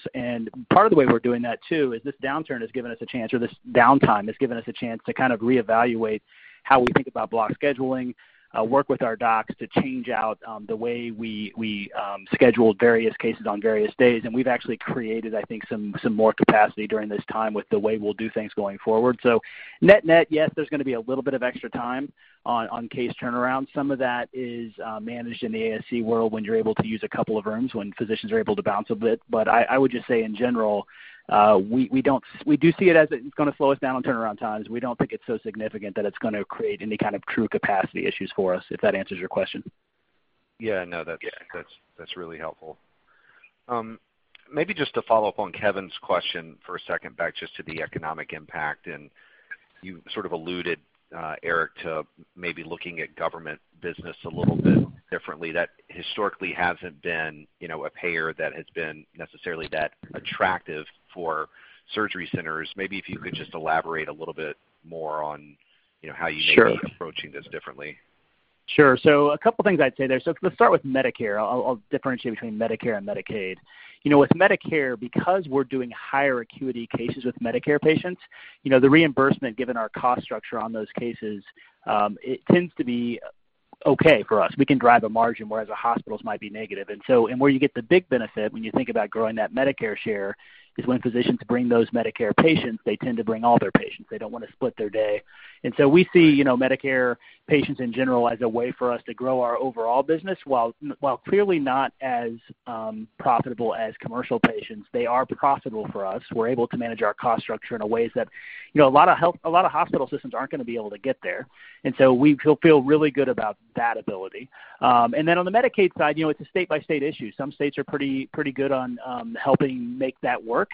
Part of the way we're doing that, too is this downturn has given us a chance, or this downtime has given us a chance to kind of reevaluate how we think about block scheduling, work with our docs to change out the way we schedule various cases on various days. We've actually created, I think, some more capacity during this time with the way we'll do things going forward. Net-net, yes, there's going to be a little bit of extra time on case turnaround. Some of that is managed in the ASC world when you're able to use a couple of rooms, when physicians are able to bounce a bit. I would just say in general, we do see it as it's going to slow us down on turnaround times. We don't think it's so significant that it's going to create any kind of true capacity issues for us, if that answers your question. Yeah. No, that's really helpful. Maybe just to follow up on Kevin's question for a second, back just to the economic impact, and you sort of alluded, Eric, to maybe looking at government business a little bit differently, that historically hasn't been a payer that has been necessarily that attractive for surgery centers. Maybe if you could just elaborate a little bit more on how you may be approaching this differently. Sure. A couple of things I'd say there. Let's start with Medicare. I'll differentiate between Medicare and Medicaid. With Medicare, because we're doing higher acuity cases with Medicare patients, the reimbursement, given our cost structure on those cases, it tends to be okay for us. We can drive a margin, whereas the hospitals might be negative. Where you get the big benefit when you think about growing that Medicare share is when physicians bring those Medicare patients, they tend to bring all their patients. They don't want to split their day. We see Medicare patients in general as a way for us to grow our overall business. While clearly not as profitable as commercial patients, they are profitable for us. We're able to manage our cost structure in ways that a lot of hospital systems aren't going to be able to get there. We feel really good about that ability. Then on the Medicaid side, it's a state-by-state issue. Some states are pretty good on helping make that work.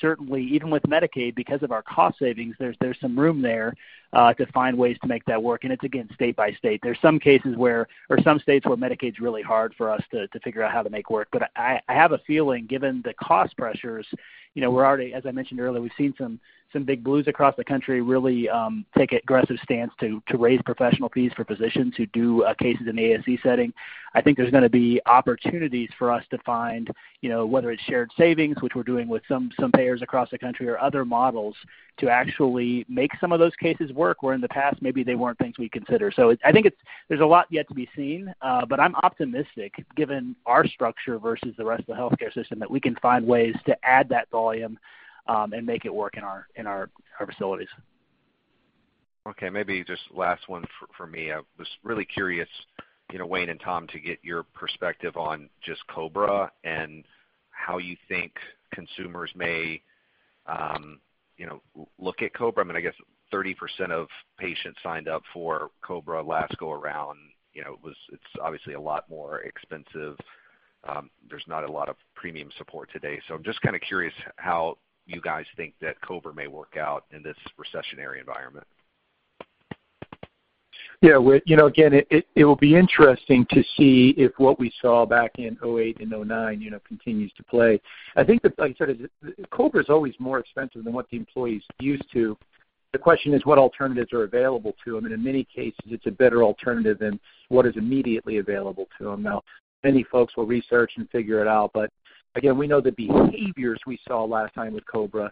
Certainly, even with Medicaid, because of our cost savings, there's some room there to find ways to make that work, and it's again, state by state. There's some cases where, or some states where Medicaid's really hard for us to figure out how to make work. I have a feeling, given the cost pressures, we're already, as I mentioned earlier, we've seen some Big Blues across the country really take aggressive stance to raise professional fees for physicians who do cases in ASC setting. I think there's going to be opportunities for us to find, whether it's shared savings, which we're doing with some payers across the country or other models to actually make some of those cases work, where in the past maybe they weren't things we'd consider. I think there's a lot yet to be seen. I'm optimistic given our structure versus the rest of the healthcare system, that we can find ways to add that volume and make it work in our facilities. Okay, maybe just last one for me. I was really curious, Wayne and Tom, to get your perspective on just COBRA and how you think consumers may look at COBRA. I mean, I guess 30% of patients signed up for COBRA last go around. It's obviously a lot more expensive. There's not a lot of premium support today. I'm just curious how you guys think that COBRA may work out in this recessionary environment. Yeah, Whit, again, it will be interesting to see if what we saw back in 2008 and 2009 continues to play. I think that, like you said, COBRA's always more expensive than what the employee's used to. The question is what alternatives are available to them, and in many cases, it's a better alternative than what is immediately available to them. Now, many folks will research and figure it out, but again, we know the behaviors we saw last time with COBRA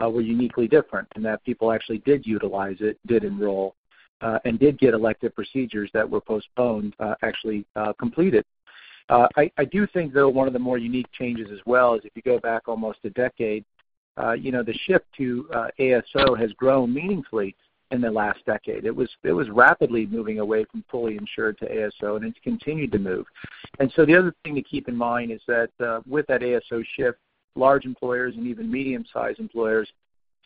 were uniquely different, and that people actually did utilize it, did enroll, and did get elective procedures that were postponed, actually completed. I do think, though, one of the more unique changes as well is if you go back almost a decade, the shift to ASO has grown meaningfully in the last decade. It was rapidly moving away from fully insured to ASO, and it's continued to move. The other thing to keep in mind is that, with that ASO shift, large employers and even medium-sized employers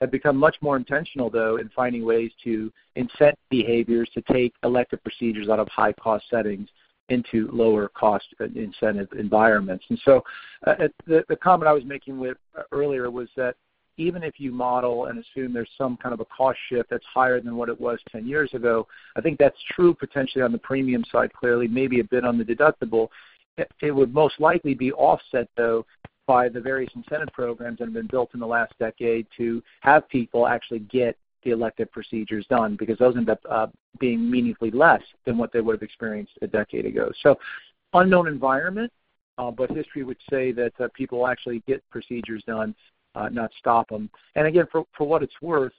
have become much more intentional, though, in finding ways to incent behaviors to take elective procedures out of high-cost settings into lower-cost incentive environments. The comment I was making earlier was that even if you model and assume there's some kind of cost shift that's higher than what it was 10 years ago, I think that's true potentially on the premium side, clearly, maybe a bit on the deductible. It would most likely be offset, though, by the various incentive programs that have been built in the last decade to have people actually get the elective procedures done because those end up being meaningfully less than what they would've experienced a decade ago. Unknown environment, but history would say that people actually get procedures done, not stop them. Again, for what it's worth,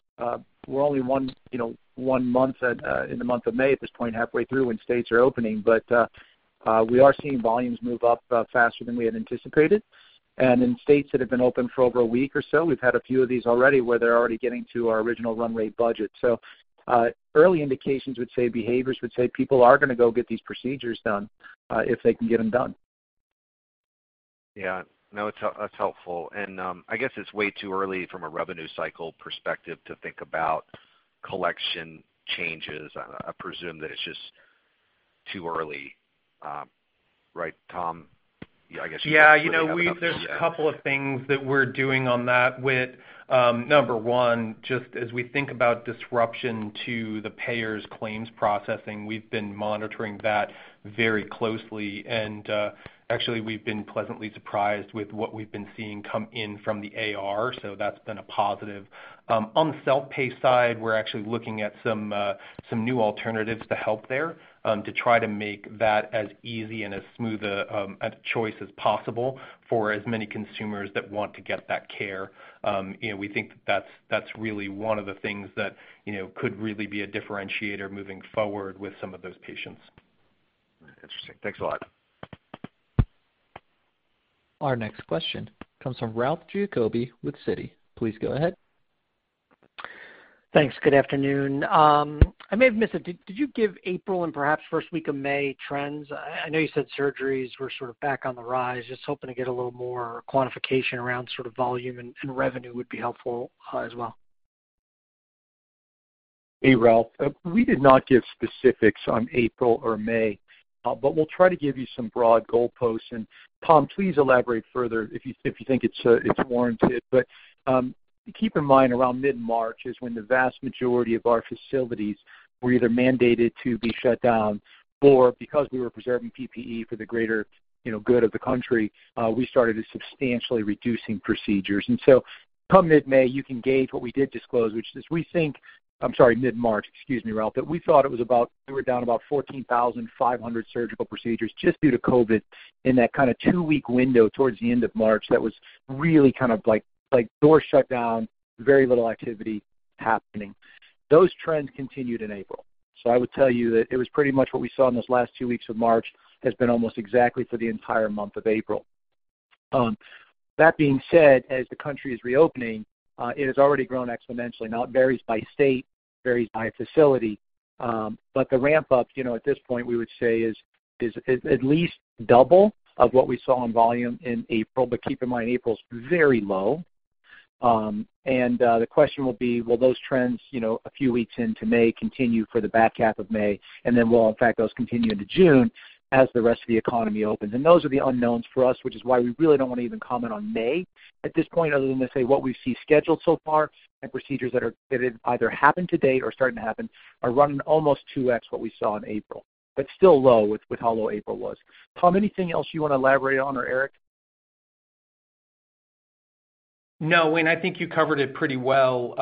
we're only one month in the month of May at this point, halfway through when states are opening. We are seeing volumes move up faster than we had anticipated. In states that have been open for over a week or so, we've had a few of these already where they're already getting to our original run rate budget. Early indications would say, behaviors would say people are going to go get these procedures done, if they can get them done. Yeah. No, that's helpful. I guess it's way too early from a revenue cycle perspective to think about collection changes. I presume that it's just too early. Right, Tom? I guess you guys really haven't seen that. Yeah, there's a couple of things that we're doing on that, Whit. Number one, just as we think about disruption to the payers' claims processing, we've been monitoring that very closely. Actually, we've been pleasantly surprised with what we've been seeing come in from the AR; that's been a positive. On the self-pay side, we're actually looking at some new alternatives to help there, to try to make that as easy and as smooth a choice as possible for as many consumers that want to get that care. We think that that's really one of the things that could be a differentiator moving forward with some of those patients. Interesting. Thanks a lot. Our next question comes from Ralph Giacobbe with Citi. Please go ahead. Thanks. Good afternoon. I may have missed it. Did you give April and perhaps first week of May trends? I know you said surgeries were sort of back on the rise. Just hoping to get a little more quantification around sort of volume and revenue would be helpful as well. Hey, Ralph. We did not give specifics on April or May. We'll try to give you some broad goalposts. Tom, please elaborate further if you think it's warranted. Keep in mind, around mid-March is when the vast majority of our facilities were either mandated to be shut down or because we were preserving PPE for the greater good of the country, we started substantially reducing procedures. Come mid-May, you can gauge what we did disclose, which is we think, I'm sorry, mid-March, excuse me, Ralph, that we thought we were down about 14,500 surgical procedures just due to COVID in that kind of two-week window towards the end of March that was really kind of like door shut down, very little activity happening. Those trends continued in April. I would tell you that it was pretty much what we saw in those last two weeks of March, has been almost exactly for the entire month of April. That being said, as the country is reopening, it has already grown exponentially. It varies by state, varies by facility. The ramp-up, at this point, we would say is at least double of what we saw in volume in April. Keep in mind, April's very low. The question will be, will those trends, a few weeks into May, continue for the back half of May? Then will, in fact, those continue into June as the rest of the economy opens? Those are the unknowns for us, which is why we really don't want to even comment on May at this point, other than to say what we see scheduled so far and procedures that have either happened to date or are starting to happen, are running almost 2x what we saw in April. Still low with how low April was. Tom, anything else you want to elaborate on, or Eric? No, Wayne, I think you covered it pretty well.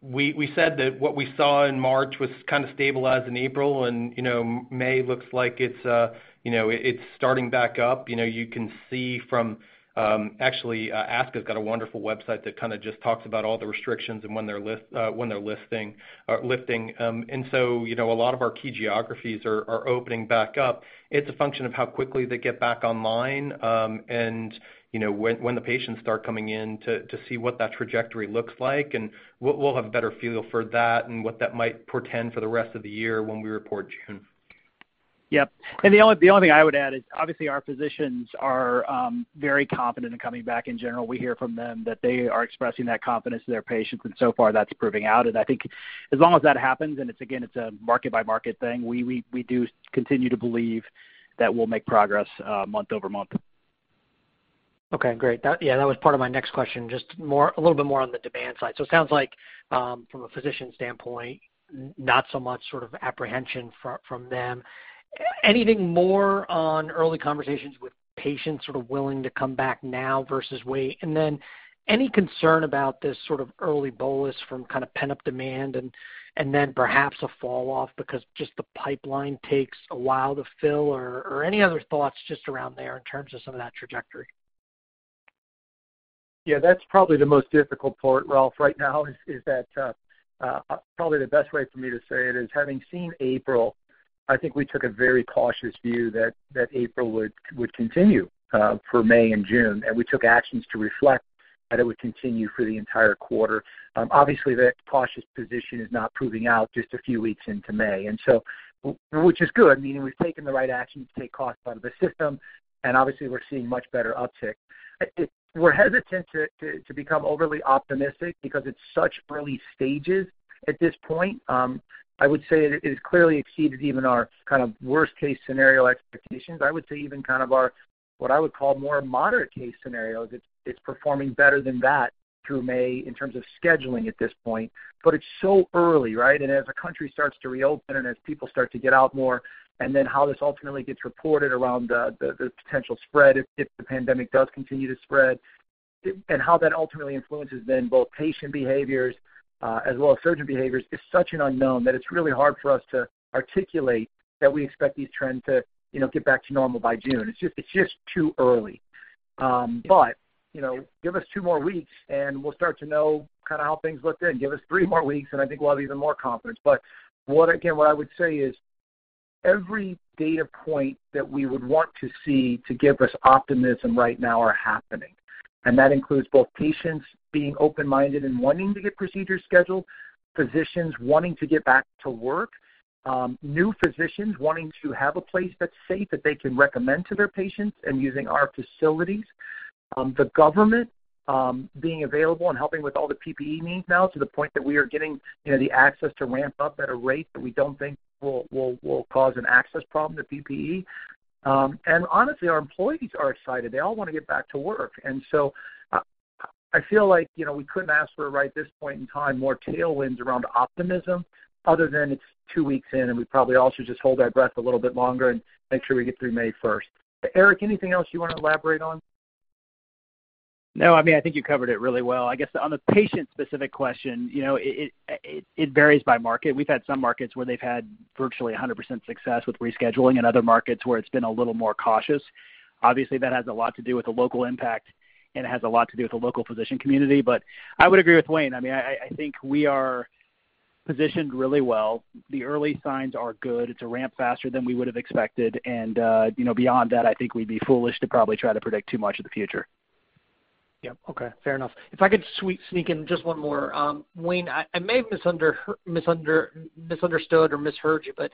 We said that what we saw in March was kind of stabilized in April and May looks like it's starting back up. You can see from, actually, ASCA's got a wonderful website that just talks about all the restrictions and when they're lifting. A lot of our key geographies are opening back up. It's a function of how quickly they get back online, and when the patients start coming in to see what that trajectory looks like, and we'll have a better feel for that and what that might portend for the rest of the year when we report June. Yep. The only thing I would add is obviously, our physicians are very confident in coming back in general. We hear from them that they are expressing that confidence to their patients, and so far, that's proving out. I think as long as that happens, and it's again, it's a market-by-market thing, we do continue to believe that we'll make progress month-over-month. Okay, great. That was part of my next question, just a little bit more on the demand side. It sounds like, from a physician standpoint, not so much sort of apprehension from them. Anything more on early conversations with patients sort of willing to come back now versus wait? Any concern about this sort of early bolus from kind of pent-up demand and then perhaps a fall off because just the pipeline takes a while to fill or any other thoughts just around there in terms of some of that trajectory? Yeah, that's probably the most difficult part, Ralph. Right now, is that probably the best way for me to say it is having seen April. I think we took a very cautious view that April would continue for May and June, and we took actions to reflect that it would continue for the entire quarter. That cautious position is now proving out just a few weeks into May, which is good, meaning we've taken the right action to take costs out of the system, and obviously, we're seeing much better uptick. We're hesitant to become overly optimistic because it's such early stages at this point. I would say it has clearly exceeded even our kind of worst case scenario expectations. I would say even what I would call more moderate case scenarios it's performing better than that through May in terms of scheduling at this point. It's so early, right? As the country starts to reopen and as people start to get out more, then how this ultimately gets reported around the potential spread if the pandemic does continue to spread, and how that ultimately influences then both patient behaviors, as well as surgeon behaviors, is such an unknown that it's really hard for us to articulate that we expect these trends to get back to normal by June. It's just too early. Give us two more weeks and we'll start to know how things look then. Give us three more weeks, and I think we'll have even more confidence. Again, what I would say is every data point that we would want to see to give us optimism right now are happening. That includes both patients being open-minded and wanting to get procedures scheduled, physicians wanting to get back to work, new physicians wanting to have a place that's safe that they can recommend to their patients and using our facilities. The government being available and helping with all the PPE needs now to the point that we are getting the access to ramp up at a rate that we don't think will cause an access problem to PPE. Honestly, our employees are excited. They all want to get back to work. So I feel like we couldn't ask for, right this point in time, more tailwinds around optimism other than it's two weeks in, and we probably all should just hold our breath a little bit longer and make sure we get through May 1st. Eric, anything else you want to elaborate on? No, I think you covered it really well. I guess on the patient-specific question, it varies by market. We've had some markets where they've had virtually 100% success with rescheduling and other markets where it's been a little more cautious. Obviously, that has a lot to do with the local impact, and it has a lot to do with the local physician community. I would agree with Wayne. The early signs are good. It's a ramp faster than we would've expected. Beyond that, I think we'd be foolish to probably try to predict too much of the future. Yep. Okay. Fair enough. If I could sneak in just one more. Wayne, I may have misunderstood or misheard you, but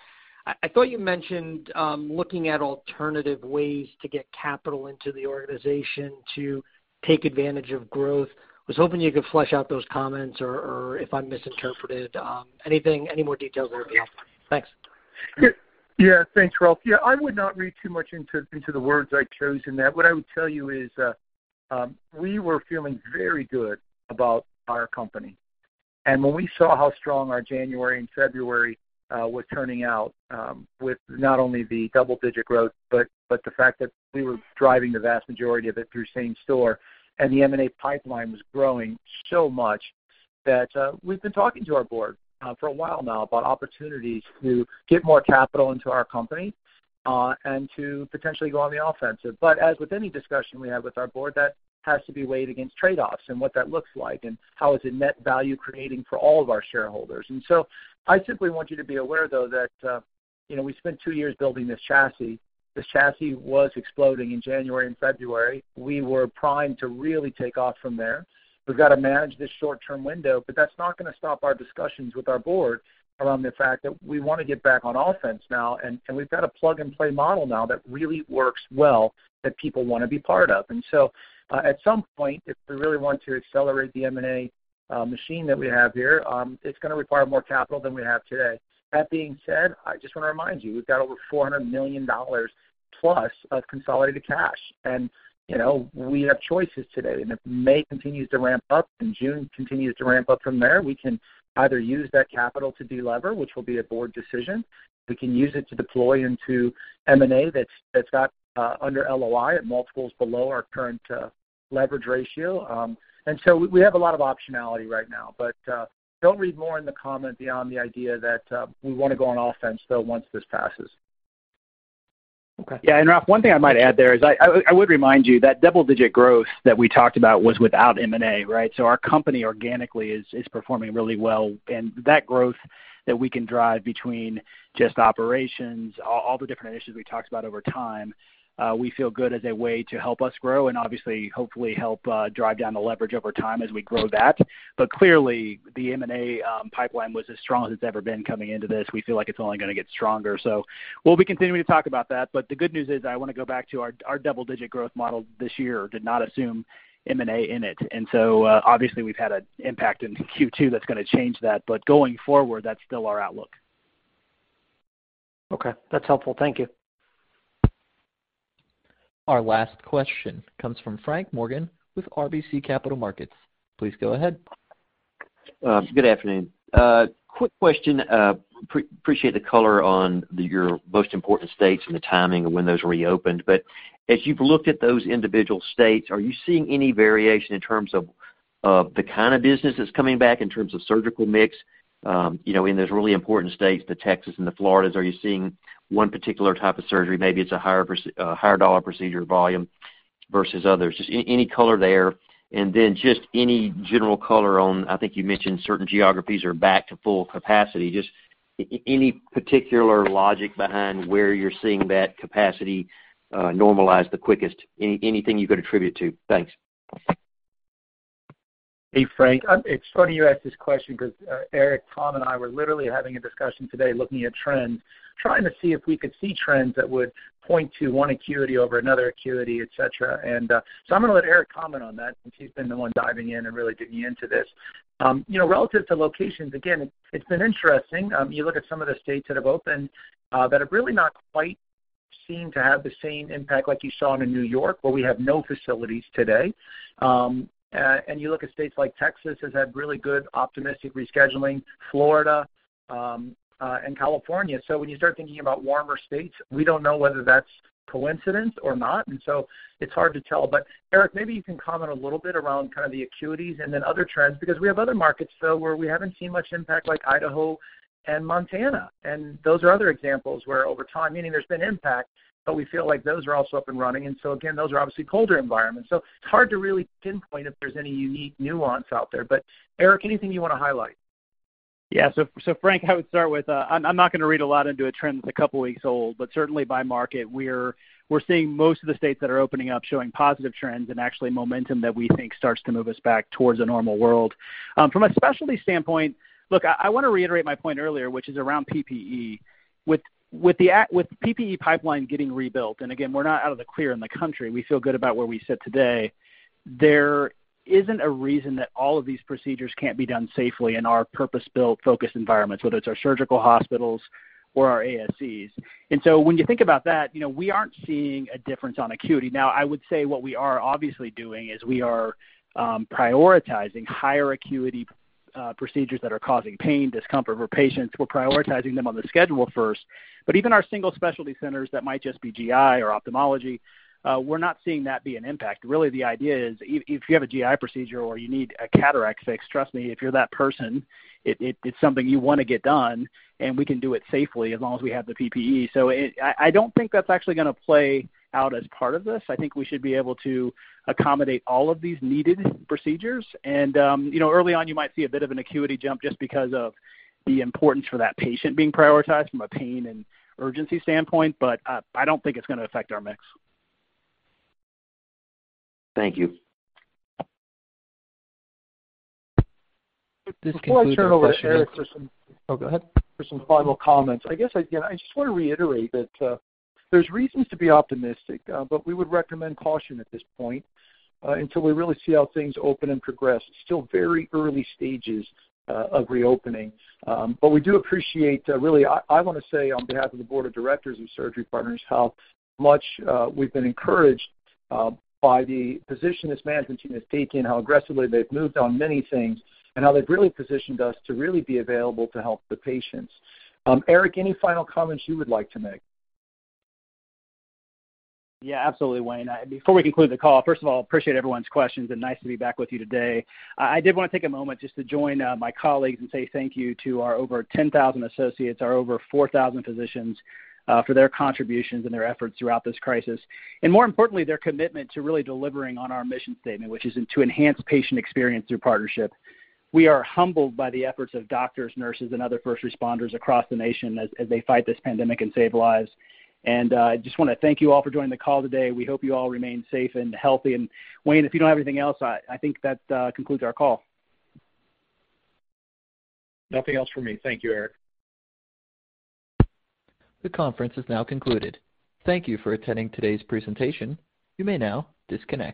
I thought you mentioned looking at alternative ways to get capital into the organization to take advantage of growth. I was hoping you could flesh out those comments, or if I misinterpreted. Any more details there would be helpful. Thanks. Thanks, Ralph. I would not read too much into the words I chose in that. What I would tell you is we were feeling very good about our company. When we saw how strong our January and February was turning out, with not only the double-digit growth but the fact that we were driving the vast majority of it through same store, and the M&A pipeline was growing so much that we've been talking to our board for a while now about opportunities to get more capital into our company, and to potentially go on the offensive. As with any discussion we have with our board, that has to be weighed against trade-offs and what that looks like, and how is it net value creating for all of our shareholders. I simply want you to be aware, though, that we spent two years building this chassis. The chassis was exploding in January and February. We were primed to really take off from there. We've got to manage this short-term window, but that's not going to stop our discussions with our board around the fact that we want to get back on offense now, and we've got a plug-and-play model now that really works well that people want to be part of. At some point, if we really want to accelerate the M&A machine that we have here, it's going to require more capital than we have today. That being said, I just want to remind you, we've got over $400 million plus of consolidated cash. We have choices today. If May continues to ramp up, and June continues to ramp up from there, we can either use that capital to delever, which will be a board decision. We can use it to deploy into M&A that's got under LOI at multiples below our current leverage ratio. We have a lot of optionality right now, but don't read more in the comment beyond the idea that we want to go on offense, though, once this passes. Okay. Yeah, Ralph, one thing I might add there is I would remind you that double-digit growth that we talked about was without M&A. Our company organically is performing really well, and that growth that we can drive between just operations, all the different initiatives we talked about over time, we feel good as a way to help us grow and obviously, hopefully, help drive down the leverage over time as we grow that. Clearly, the M&A pipeline was as strong as it's ever been coming into this. We feel like it's only going to get stronger. We'll be continuing to talk about that. The good news is, I want to go back to our double-digit growth model this year did not assume M&A in it. Obviously, we've had an impact in Q2 that's going to change that. Going forward, that's still our outlook. Okay, that's helpful. Thank you. Our last question comes from Frank Morgan with RBC Capital Markets. Please go ahead. Good afternoon. Quick question. Appreciate the color on your most important states and the timing of when those reopened. As you've looked at those individual states, are you seeing any variation in terms of the kind of business that's coming back in terms of surgical mix in those really important states, the Texas and the Floridas? Are you seeing one particular type of surgery, maybe it's a higher dollar procedure volume versus others? Just any color there, and then just any general color on, I think you mentioned certain geographies are back to full capacity. Just any particular logic behind where you're seeing that capacity normalize the quickest. Anything you could attribute to? Thanks. Hey, Frank. It's funny you ask this question because Eric, Tom, and I were literally having a discussion today looking at trends, trying to see if we could see trends that would point to one acuity over another acuity, et cetera. I'm going to let Eric comment on that since he's been the one diving in and really digging into this. Relative to locations, again, it's been interesting. You look at some of the states that have opened that have really not quite seemed to have the same impact like you saw them in New York, where we have no facilities today. You look at states like Texas has had really good optimistic rescheduling, Florida, and California. When you start thinking about warmer states, we don't know whether that's coincidence or not, and so it's hard to tell. Eric, maybe you can comment a little bit around the acuities and then other trends, because we have other markets, though, where we haven't seen much impact like Idaho and Montana. Those are other examples where over time, meaning there's been impact, but we feel like those are also up and running. Again, those are obviously colder environments. It's hard to really pinpoint if there's any unique nuance out there. Eric, anything you want to highlight? Yeah. Frank, I would start with, I'm not going to read a lot into a trend that's a couple of weeks old, but certainly by market, we're seeing most of the states that are opening up showing positive trends and actually momentum that we think starts to move us back towards a normal world. From a specialty standpoint, look, I want to reiterate my point earlier, which is around PPE. With PPE pipeline getting rebuilt, and again, we're not out of the clear in the country, we feel good about where we sit today. There isn't a reason that all of these procedures can't be done safely in our purpose-built focused environments, whether it's our surgical hospitals or our ASCs. When you think about that, we aren't seeing a difference on acuity. I would say what we are obviously doing is we are prioritizing higher acuity procedures that are causing pain, discomfort for patients. We're prioritizing them on the schedule first. Even our single specialty centers that might just be GI or ophthalmology, we're not seeing that be an impact. Really, the idea is if you have a GI procedure or you need a cataract fix, trust me, if you're that person, it's something you want to get done, and we can do it safely as long as we have the PPE. I don't think that's actually going to play out as part of this. I think we should be able to accommodate all of these needed procedures. Early on, you might see a bit of an acuity jump just because of the importance for that patient being prioritized from a pain and urgency standpoint, but I don't think it's going to affect our mix. Thank you. This concludes our question and answer- Before I turn it over to Eric. Oh, go ahead for some final comments, I guess, again, I just want to reiterate that there's reasons to be optimistic. We would recommend caution at this point until we really see how things open and progress. It's still very early stages of reopening. We do appreciate, really, I want to say on behalf of the board of directors of Surgery Partners, how much we've been encouraged by the position this management team has taken, how aggressively they've moved on many things, and how they've really positioned us to really be available to help the patients. Eric, any final comments you would like to make? Yeah, absolutely, Wayne. Before we conclude the call, first of all, appreciate everyone's questions. Nice to be back with you today. I did want to take a moment just to join my colleagues and say thank you to our over 10,000 associates, our over 4,000 physicians, for their contributions and their efforts throughout this crisis. More importantly, their commitment to really delivering on our mission statement, which is to enhance patient experience through partnership. We are humbled by the efforts of doctors, nurses, and other first responders across the nation as they fight this pandemic and save lives. I just want to thank you all for joining the call today. We hope you all remain safe and healthy. Wayne, if you don't have anything else, I think that concludes our call. Nothing else from me. Thank you, Eric. The conference is now concluded. Thank you for attending today's presentation. You may now disconnect.